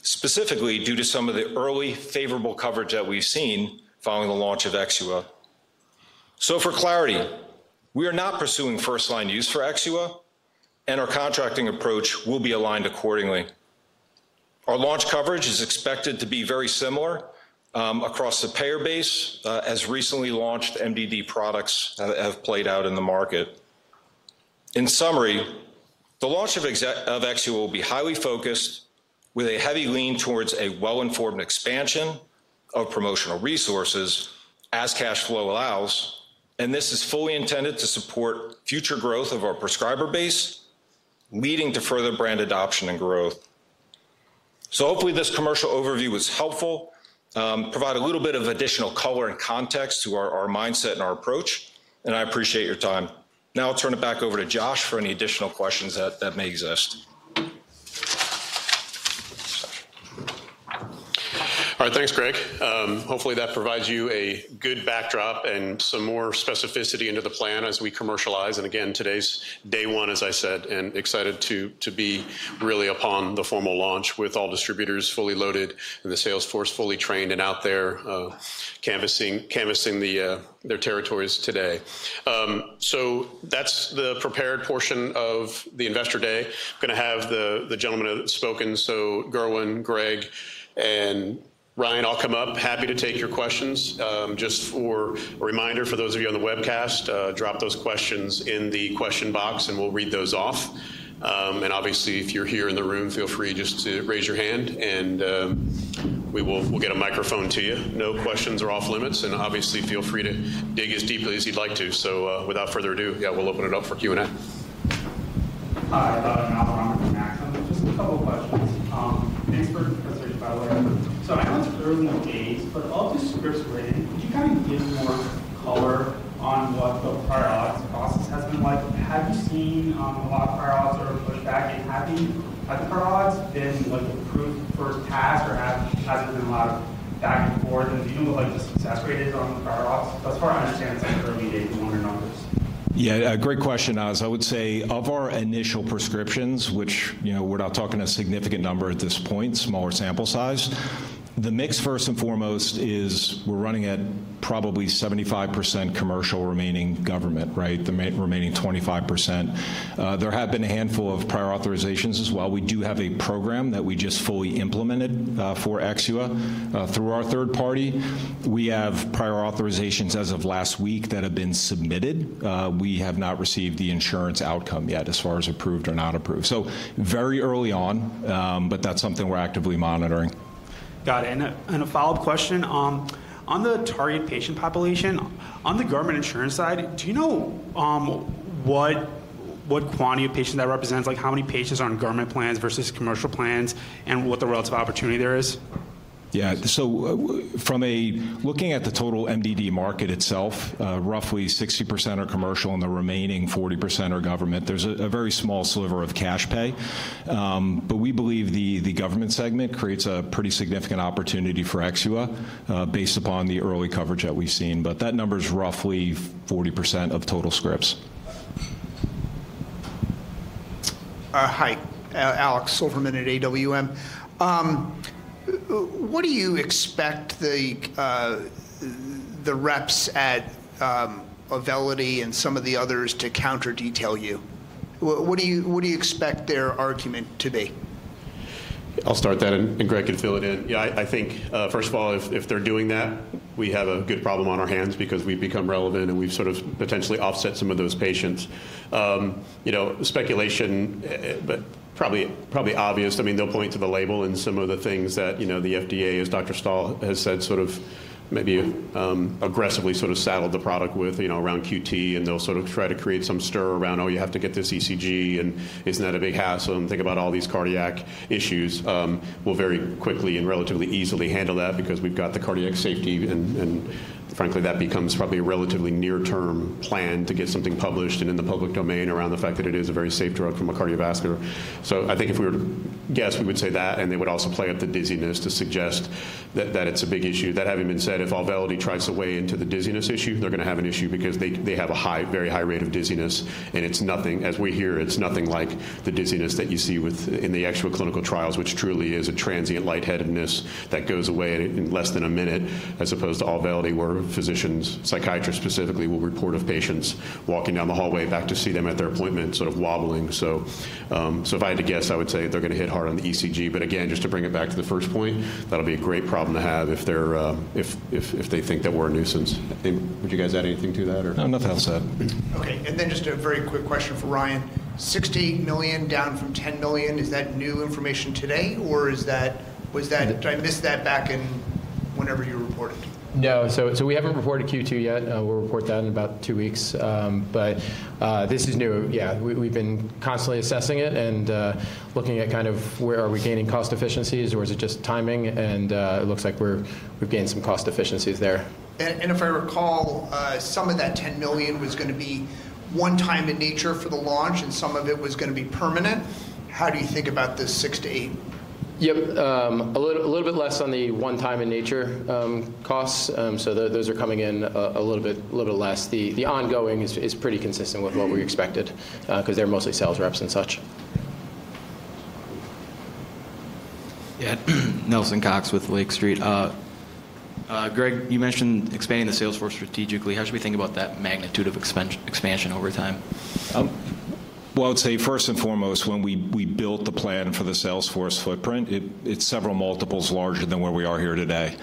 [SPEAKER 9] specifically due to some of the early favorable coverage that we've seen following the launch of Exxua, so for clarity, we are not pursuing first-line use for Exxua, and our contracting approach will be aligned accordingly. Our launch coverage is expected to be very similar across the payer base, as recently launched MDD products have played out in the market. In summary, the launch of Exxua will be highly focused, with a heavy lean towards a well-informed expansion of promotional resources as cash flow allows. And this is fully intended to support future growth of our prescriber base, leading to further brand adoption and growth. So hopefully, this commercial overview was helpful, provided a little bit of additional color and context to our mindset and our approach. And I appreciate your time. Now I'll turn it back over to Josh for any additional questions that may exist.
[SPEAKER 1] All right. Thanks, Greg. Hopefully, that provides you a good backdrop and some more specificity into the plan as we commercialize, and again, today's day one, as I said, and excited to be really upon the formal launch with all distributors fully loaded and the sales force fully trained and out there canvassing their territories today. So that's the prepared portion of the investor day. I'm going to have the gentlemen have spoken, so Gerwin, Greg, and Ryan, I'll come up. Happy to take your questions. Just for a reminder, for those of you on the webcast, drop those questions in the question box, and we'll read those off, and obviously, if you're here in the room, feel free just to raise your hand, and we'll get a microphone to you. No questions are off limits, and obviously, feel free to dig as deeply as you'd like to. Without further ado, yeah, we'll open it up for Q&A.
[SPEAKER 6] Hi, I'm Alvaro from Maxim. Just a couple of questions. Thanks for the presentation, by the way. So, I know it's early days, but of the scripts written, could you kind of give more color on what the prior auth process has been like? Have you seen a lot of prior auths or pushback? And have the prior auths been approved first pass, or has there been a lot of back and forth? And do you know what the success rate is on the prior auths? Because as far as I understand, it's like early days, one or numbers.
[SPEAKER 9] Yeah, great question, Alvaro. I would say of our initial prescriptions, which we're not talking a significant number at this point, smaller sample size, the mix first and foremost is we're running at probably 75% commercial, remaining 25% government, right? The remaining 25%. There have been a handful of prior authorizations as well. We do have a program that we just fully implemented for Exxua through our third party. We have prior authorizations as of last week that have been submitted. We have not received the insurance outcome yet as far as approved or not approved. So very early on, but that's something we're actively monitoring.
[SPEAKER 6] Got it. And a follow-up question. On the target patient population, on the government insurance side, do you know what quantity of patient that represents? How many patients are on government plans versus commercial plans, and what the relative opportunity there is?
[SPEAKER 9] Yeah. So looking at the total MDD market itself, roughly 60% are commercial, and the remaining 40% are government. There's a very small sliver of cash pay. But we believe the government segment creates a pretty significant opportunity for Exxua based upon the early coverage that we've seen. But that number is roughly 40% of total scripts.
[SPEAKER 6] Hi, Alex Silverman at AWM. What do you expect the reps at Auvelity and some of the others to counter-detail you? What do you expect their argument to be?
[SPEAKER 2] I'll start that, and Greg can fill it in. Yeah, I think, first of all, if they're doing that, we have a good problem on our hands because we've become relevant, and we've sort of potentially offset some of those patients. Speculation, but probably obvious. I mean, they'll point to the label and some of the things that the FDA, as Dr. Stahl has said, sort of maybe aggressively sort of saddled the product with around QT, and they'll sort of try to create some stir around, "Oh, you have to get this ECG, and isn't that a big hassle?" And think about all these cardiac issues. We'll very quickly and relatively easily handle that because we've got the cardiac safety, and frankly, that becomes probably a relatively near-term plan to get something published and in the public domain around the fact that it is a very safe drug from a cardiovascular standpoint. So I think if we were to guess, we would say that, and they would also play up the dizziness to suggest that it's a big issue. That having been said, if Auvelity tries to weigh into the dizziness issue, they're going to have an issue because they have a very high rate of dizziness, and it's nothing, as we hear, it's nothing like the dizziness that you see in the actual clinical trials, which truly is a transient lightheadedness that goes away in less than a minute, as opposed to Auvelity, where physicians, psychiatrists specifically, will report of patients walking down the hallway back to see them at their appointment, sort of wobbling. So if I had to guess, I would say they're going to hit hard on the ECG. But again, just to bring it back to the first point, that'll be a great problem to have if they think that we're a nuisance. Would you guys add anything to that? No, nothing else to add.
[SPEAKER 6] Okay. And then just a very quick question for Ryan. $60 million down from $10 million, is that new information today, or did I miss that back whenever you reported?
[SPEAKER 8] No. So we haven't reported Q2 yet. We'll report that in about two weeks. But this is new. Yeah, we've been constantly assessing it and looking at kind of where are we gaining cost efficiencies, or is it just timing? And it looks like we've gained some cost efficiencies there.
[SPEAKER 6] And if I recall, some of that $10 million was going to be one-time in nature for the launch, and some of it was going to be permanent. How do you think about the six to eight?
[SPEAKER 8] Yep, a little bit less on the one-time in nature costs. So those are coming in a little bit less. The ongoing is pretty consistent with what we expected because they're mostly sales reps and such.
[SPEAKER 7] Yeah, Nelson Cox with Lake Street. Greg, you mentioned expanding the sales force strategically. How should we think about that magnitude of expansion over time?
[SPEAKER 9] I would say first and foremost, when we built the plan for the sales force footprint, it's several multiples larger than where we are here today.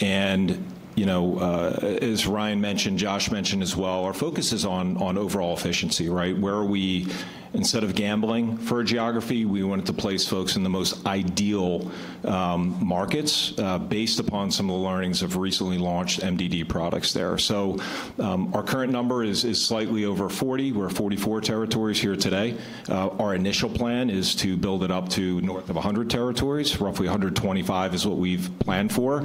[SPEAKER 9] And as Ryan mentioned, Josh mentioned as well, our focus is on overall efficiency, right? Where are we? Instead of gambling for a geography, we wanted to place folks in the most ideal markets based upon some of the learnings of recently launched MDD products there. So, our current number is slightly over 40. We're 44 territories here today. Our initial plan is to build it up to north of 100 territories. Roughly 125 is what we've planned for.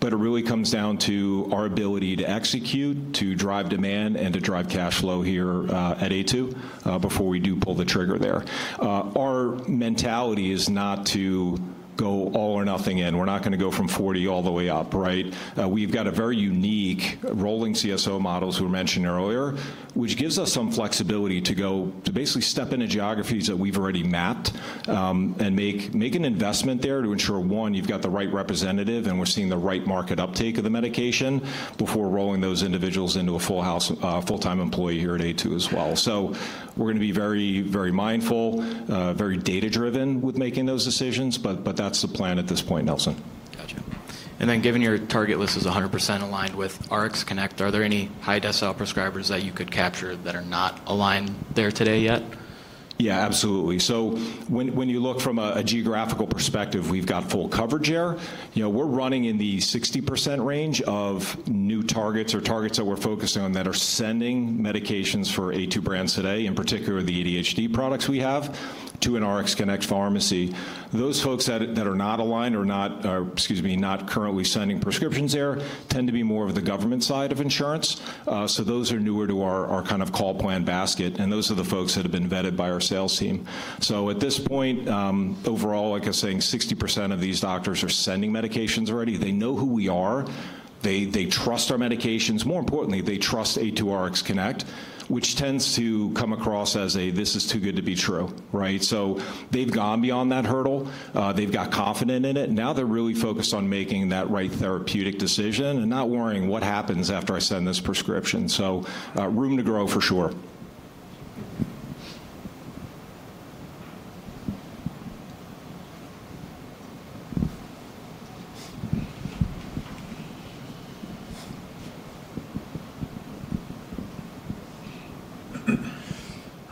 [SPEAKER 9] But it really comes down to our ability to execute, to drive demand, and to drive cash flow here at Aytu before we do pull the trigger there. Our mentality is not to go all or nothing in. We're not going to go from 40 all the way up, right? We've got a very unique rolling CSO models we mentioned earlier, which gives us some flexibility to go to basically step into geographies that we've already mapped and make an investment there to ensure, one, you've got the right representative, and we're seeing the right market uptake of the medication before rolling those individuals into a full-time employee here at Aytu as well. So, we're going to be very, very mindful, very data-driven with making those decisions. But that's the plan at this point, Nelson.
[SPEAKER 7] Gotcha. And then given your target list is 100% aligned with RxConnect, are there any high decile prescribers that you could capture that are not aligned there today yet?
[SPEAKER 9] Yeah, absolutely. So, when you look from a geographical perspective, we've got full coverage here. We're running in the 60% range of new targets or targets that we're focusing on that are sending medications for Aytu brands today, in particular the ADHD products we have, to an RxConnect pharmacy. Those folks that are not aligned or not, excuse me, not currently sending prescriptions there tend to be more of the government side of insurance. So those are newer to our kind of call plan basket, and those are the folks that have been vetted by our sales team. So, at this point, overall, like I was saying, 60% of these doctors are sending medications already. They know who we are. They trust our medications. More importantly, they trust Rx Connect, which tends to come across as a, "This is too good to be true," right? So, they've gone beyond that hurdle. They've got confidence in it. Now they're really focused on making that right therapeutic decision and not worrying what happens after I send this prescription. So, room to grow for sure.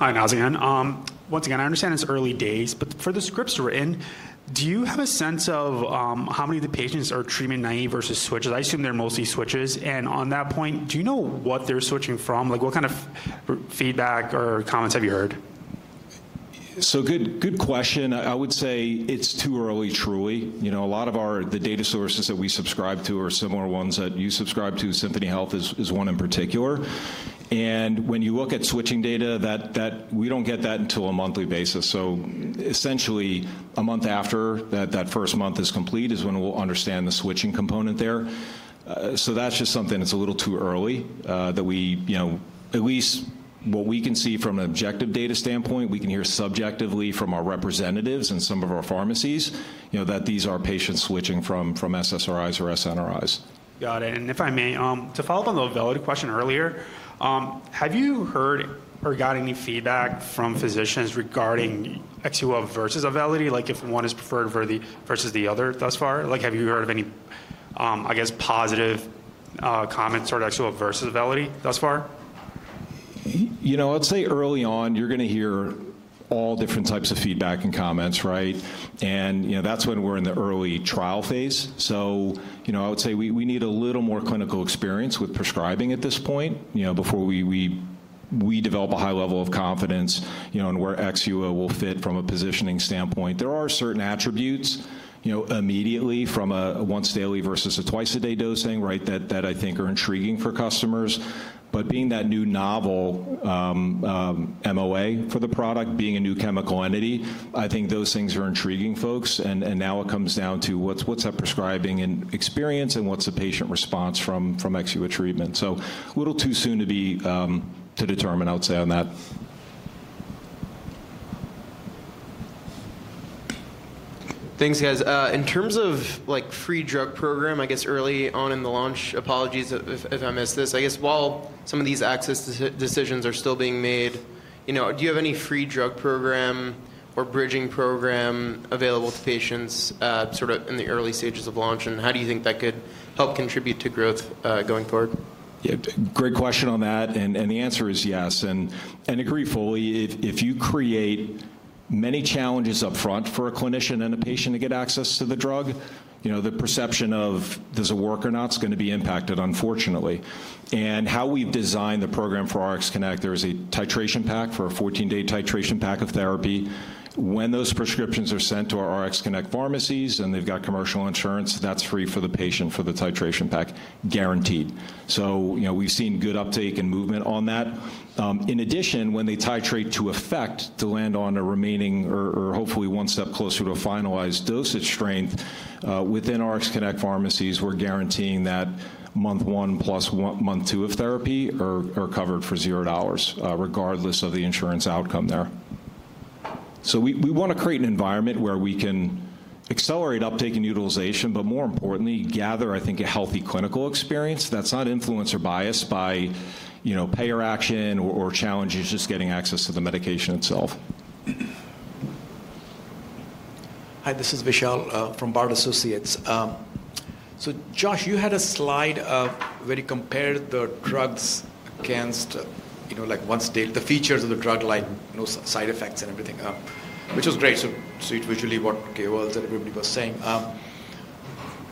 [SPEAKER 7] Hi, Nelson. Once again, I understand it's early days, but for the scripts written, do you have a sense of how many of the patients are treatment naive versus switches? I assume they're mostly switches. And on that point, do you know what they're switching from? What kind of feedback or comments have you heard?
[SPEAKER 9] So, good question. I would say it's too early, truly. A lot of the data sources that we subscribe to are similar ones that you subscribe to. Symphony Health is one in particular. And when you look at switching data, we don't get that on a monthly basis. So essentially, a month after that first month is complete is when we'll understand the switching component there. So that's just something that's a little too early that we, at least what we can see from an objective data standpoint, we can hear subjectively from our representatives and some of our pharmacies that these are patients switching from SSRIs or SNRIs.
[SPEAKER 6] Got it. And if I may, to follow up on the Auvelity question earlier, have you heard or got any feedback from physicians regarding Exxua versus Auvelity, like if one is preferred versus the other thus far? Have you heard of any, I guess, positive comments toward Exxua versus Auvelity thus far?
[SPEAKER 9] You know, I'd say early on, you're going to hear all different types of feedback and comments, right? And that's when we're in the early trial phase. So, I would say we need a little more clinical experience with prescribing at this point before we develop a high level of confidence in where Exxua will fit from a positioning standpoint. There are certain attributes immediately from a once daily versus a twice a day dosing, right, that I think are intriguing for customers. But being that new novel MOA for the product, being a new chemical entity, I think those things are intriguing folks. And now it comes down to what's that prescribing experience and what's the patient response from Exxua treatment. So, a little too soon to determine, I would say, on that.
[SPEAKER 6] Thanks, guys. In terms of free drug program, I guess early on in the launch, apologies if I missed this, I guess while some of these access decisions are still being made, do you have any free drug program or bridging program available to patients sort of in the early stages of launch, and how do you think that could help contribute to growth going forward?
[SPEAKER 9] Yeah, great question on that. The answer is yes, and agree fully, if you create many challenges upfront for a clinician and a patient to get access to the drug, the perception of does it work or not is going to be impacted, unfortunately. How we've designed the program for RxConnect, there is a titration pack for a 14-day titration pack of therapy. When those prescriptions are sent to our RxConnect pharmacies and they've got commercial insurance, that's free for the patient for the titration pack, guaranteed. So, we've seen good uptake and movement on that. In addition, when they titrate to effect to land on a remaining or hopefully one step closer to a finalized dosage strength, within RxConnect pharmacies, we're guaranteeing that month one plus month two of therapy are covered for $0 regardless of the insurance outcome there. So, we want to create an environment where we can accelerate uptake and utilization, but more importantly, gather, I think, a healthy clinical experience that's not influenced or biased by payer action or challenges just getting access to the medication itself.
[SPEAKER 6] Hi, this is Vishal from Bard Associates. So, Josh, you had a slide where you compared the drugs against the features of the drug, like side effects and everything, which was great. So, it visually what KOLs and everybody was saying.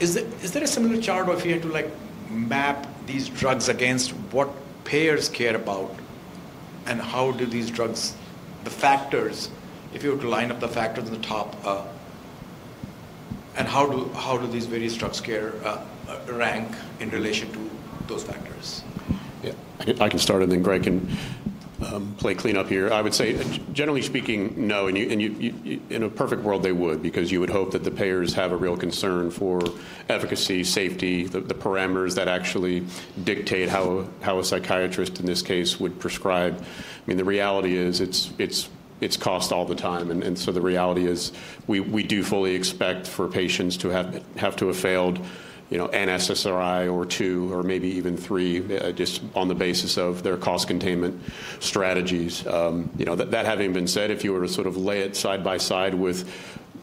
[SPEAKER 6] Is there a similar chart or if you had to map these drugs against what payers care about and how do these drugs, the factors, if you were to line up the factors on the top, and how do these various drugs rank in relation to those factors?
[SPEAKER 1] Yeah, I can start, and then Greg can play clean up here. I would say, generally speaking, no, and in a perfect world, they would because you would hope that the payers have a real concern for efficacy, safety, the parameters that actually dictate how a psychiatrist in this case would prescribe. I mean, the reality is it's cost all the time, and so the reality is we do fully expect for patients to have to have failed an SSRI or two or maybe even three just on the basis of their cost containment strategies. That having been said, if you were to sort of lay it side by side with,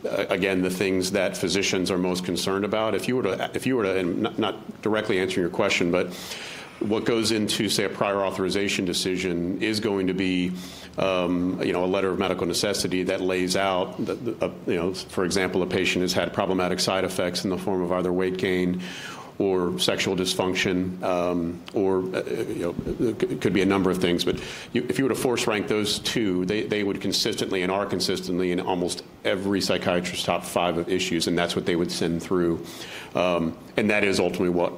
[SPEAKER 1] again, the things that physicians are most concerned about, if you were to, not directly answering your question, but what goes into, say, a prior authorization decision is going to be a letter of medical necessity that lays out, for example, a patient has had problematic side effects in the form of either weight gain or sexual dysfunction or could be a number of things. But if you were to force rank those two, they would consistently and are consistently in almost every psychiatrist's top five of issues, and that's what they would send through. And that is ultimately what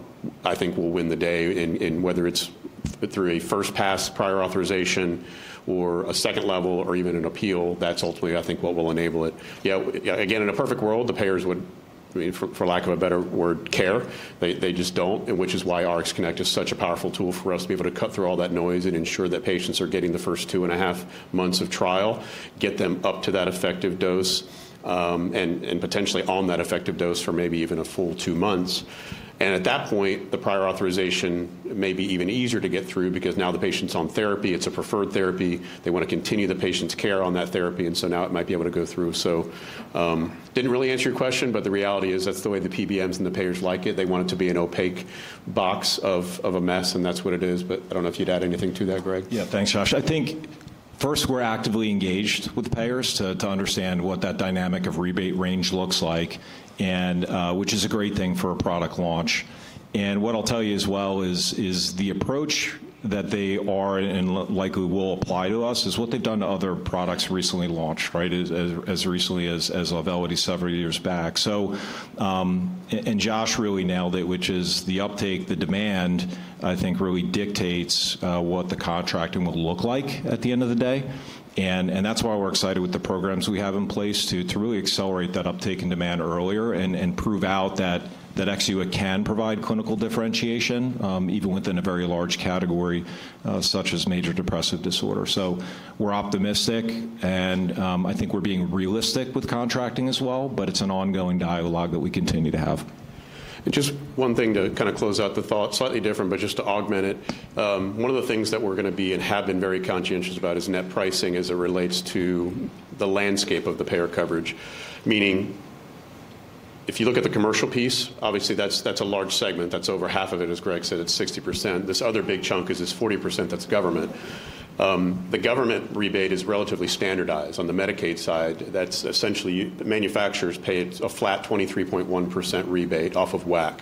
[SPEAKER 1] I think will win the day in whether it's through a first pass prior authorization or a second level or even an appeal. That's ultimately, I think, what will enable it. Yeah, again, in a perfect world, the payers would, for lack of a better word, care. They just don't, which is why RxConnect is such a powerful tool for us to be able to cut through all that noise and ensure that patients are getting the first two and a half months of trial, get them up to that effective dose, and potentially on that effective dose for maybe even a full two months. And at that point, the prior authorization may be even easier to get through because now the patients on therapy. It's a preferred therapy. They want to continue the patient's care on that therapy. And so now it might be able to go through. So, didn't really answer your question, but the reality is that's the way the PBMs and the payers like it. They want it to be an opaque box of a mess, and that's what it is. But I don't know if you'd add anything to that, Greg.
[SPEAKER 9] Yeah, thanks, Josh. I think first we're actively engaged with payers to understand what that dynamic of rebate range looks like, which is a great thing for a product launch. And what I'll tell you as well is the approach that they are and likely will apply to us is what they've done to other products recently launched, right, as recently as Auvelity several years back. And Josh really nailed it, which is the uptake, the demand, I think, really dictates what the contracting will look like at the end of the day. And that's why we're excited with the programs we have in place to really accelerate that uptake and demand earlier and prove out that Exxua can provide clinical differentiation even within a very large category such as major depressive disorder. So we're optimistic, and I think we're being realistic with contracting as well, but it's an ongoing dialogue that we continue to have.
[SPEAKER 1] Just one thing to kind of close out the thought, slightly different, but just to augment it. One of the things that we're going to be and have been very conscientious about is net pricing as it relates to the landscape of the payer coverage. Meaning, if you look at the commercial piece, obviously that's a large segment. That's over half of it, as Greg said, it's 60%. This other big chunk is this 40% that's government. The government rebate is relatively standardized on the Medicaid side. That's essentially manufacturers pay a flat 23.1% rebate off of WAC.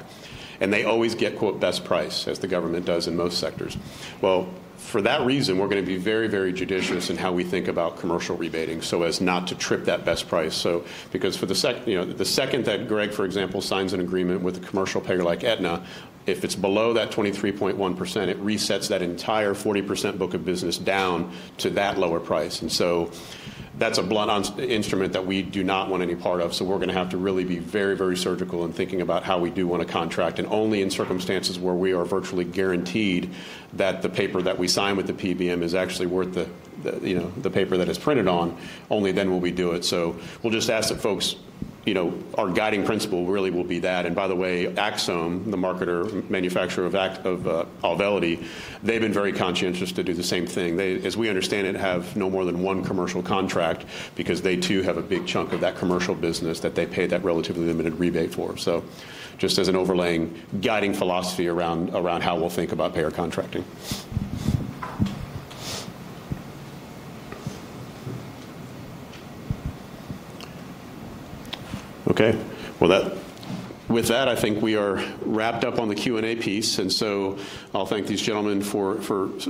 [SPEAKER 1] And they always get "best price," as the government does in most sectors, well, for that reason, we're going to be very, very judicious in how we think about commercial rebating so as not to trip that best price. The second that Greg, for example, signs an agreement with a commercial payer like Aetna, if it's below that 23.1%, it resets that entire 40% book of business down to that lower price. That's a blunt instrument that we do not want any part of. We're going to have to really be very, very surgical in thinking about how we do want to contract and only in circumstances where we are virtually guaranteed that the paper that we sign with the PBM is actually worth the paper that it's printed on. Only then will we do it. We'll just ask that folks, our guiding principle really will be that. By the way, Axsome, the marketer, manufacturer of Auvelity, they've been very conscientious to do the same thing. As we understand it, have no more than one commercial contract because they too have a big chunk of that commercial business that they pay that relatively limited rebate for, so just as an overlaying guiding philosophy around how we'll think about payer contracting. Okay, well, with that, I think we are wrapped up on the Q&A piece, and so I'll thank these gentlemen for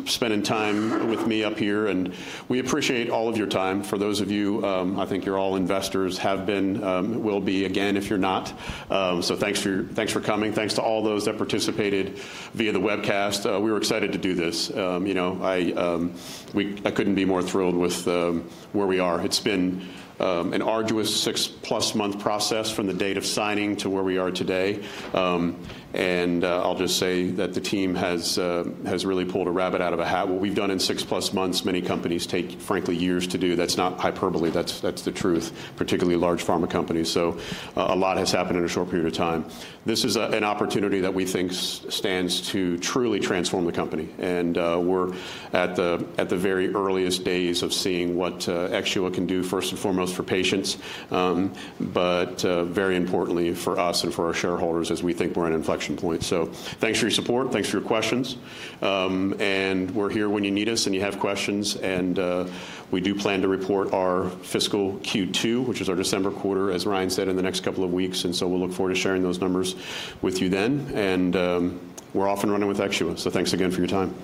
[SPEAKER 1] spending time with me up here, and we appreciate all of your time. For those of you, I think you're all investors, have been, will be, again, if you're not, so thanks for coming. Thanks to all those that participated via the webcast. We were excited to do this. I couldn't be more thrilled with where we are. It's been an arduous six-plus-month process from the date of signing to where we are today. And I'll just say that the team has really pulled a rabbit out of a hat. What we've done in six-plus months, many companies take, frankly, years to do. That's not hyperbole. That's the truth, particularly large pharma companies. So a lot has happened in a short period of time. This is an opportunity that we think stands to truly transform the company. And we're at the very earliest days of seeing what Exxua can do first and foremost for patients, but very importantly for us and for our shareholders as we think we're at an inflection point. So thanks for your support. Thanks for your questions. And we're here when you need us and you have questions. And we do plan to report our fiscal Q2, which is our December quarter, as Ryan said, in the next couple of weeks. And so we'll look forward to sharing those numbers with you then. And we're often running with Exxua. So thanks again for your time.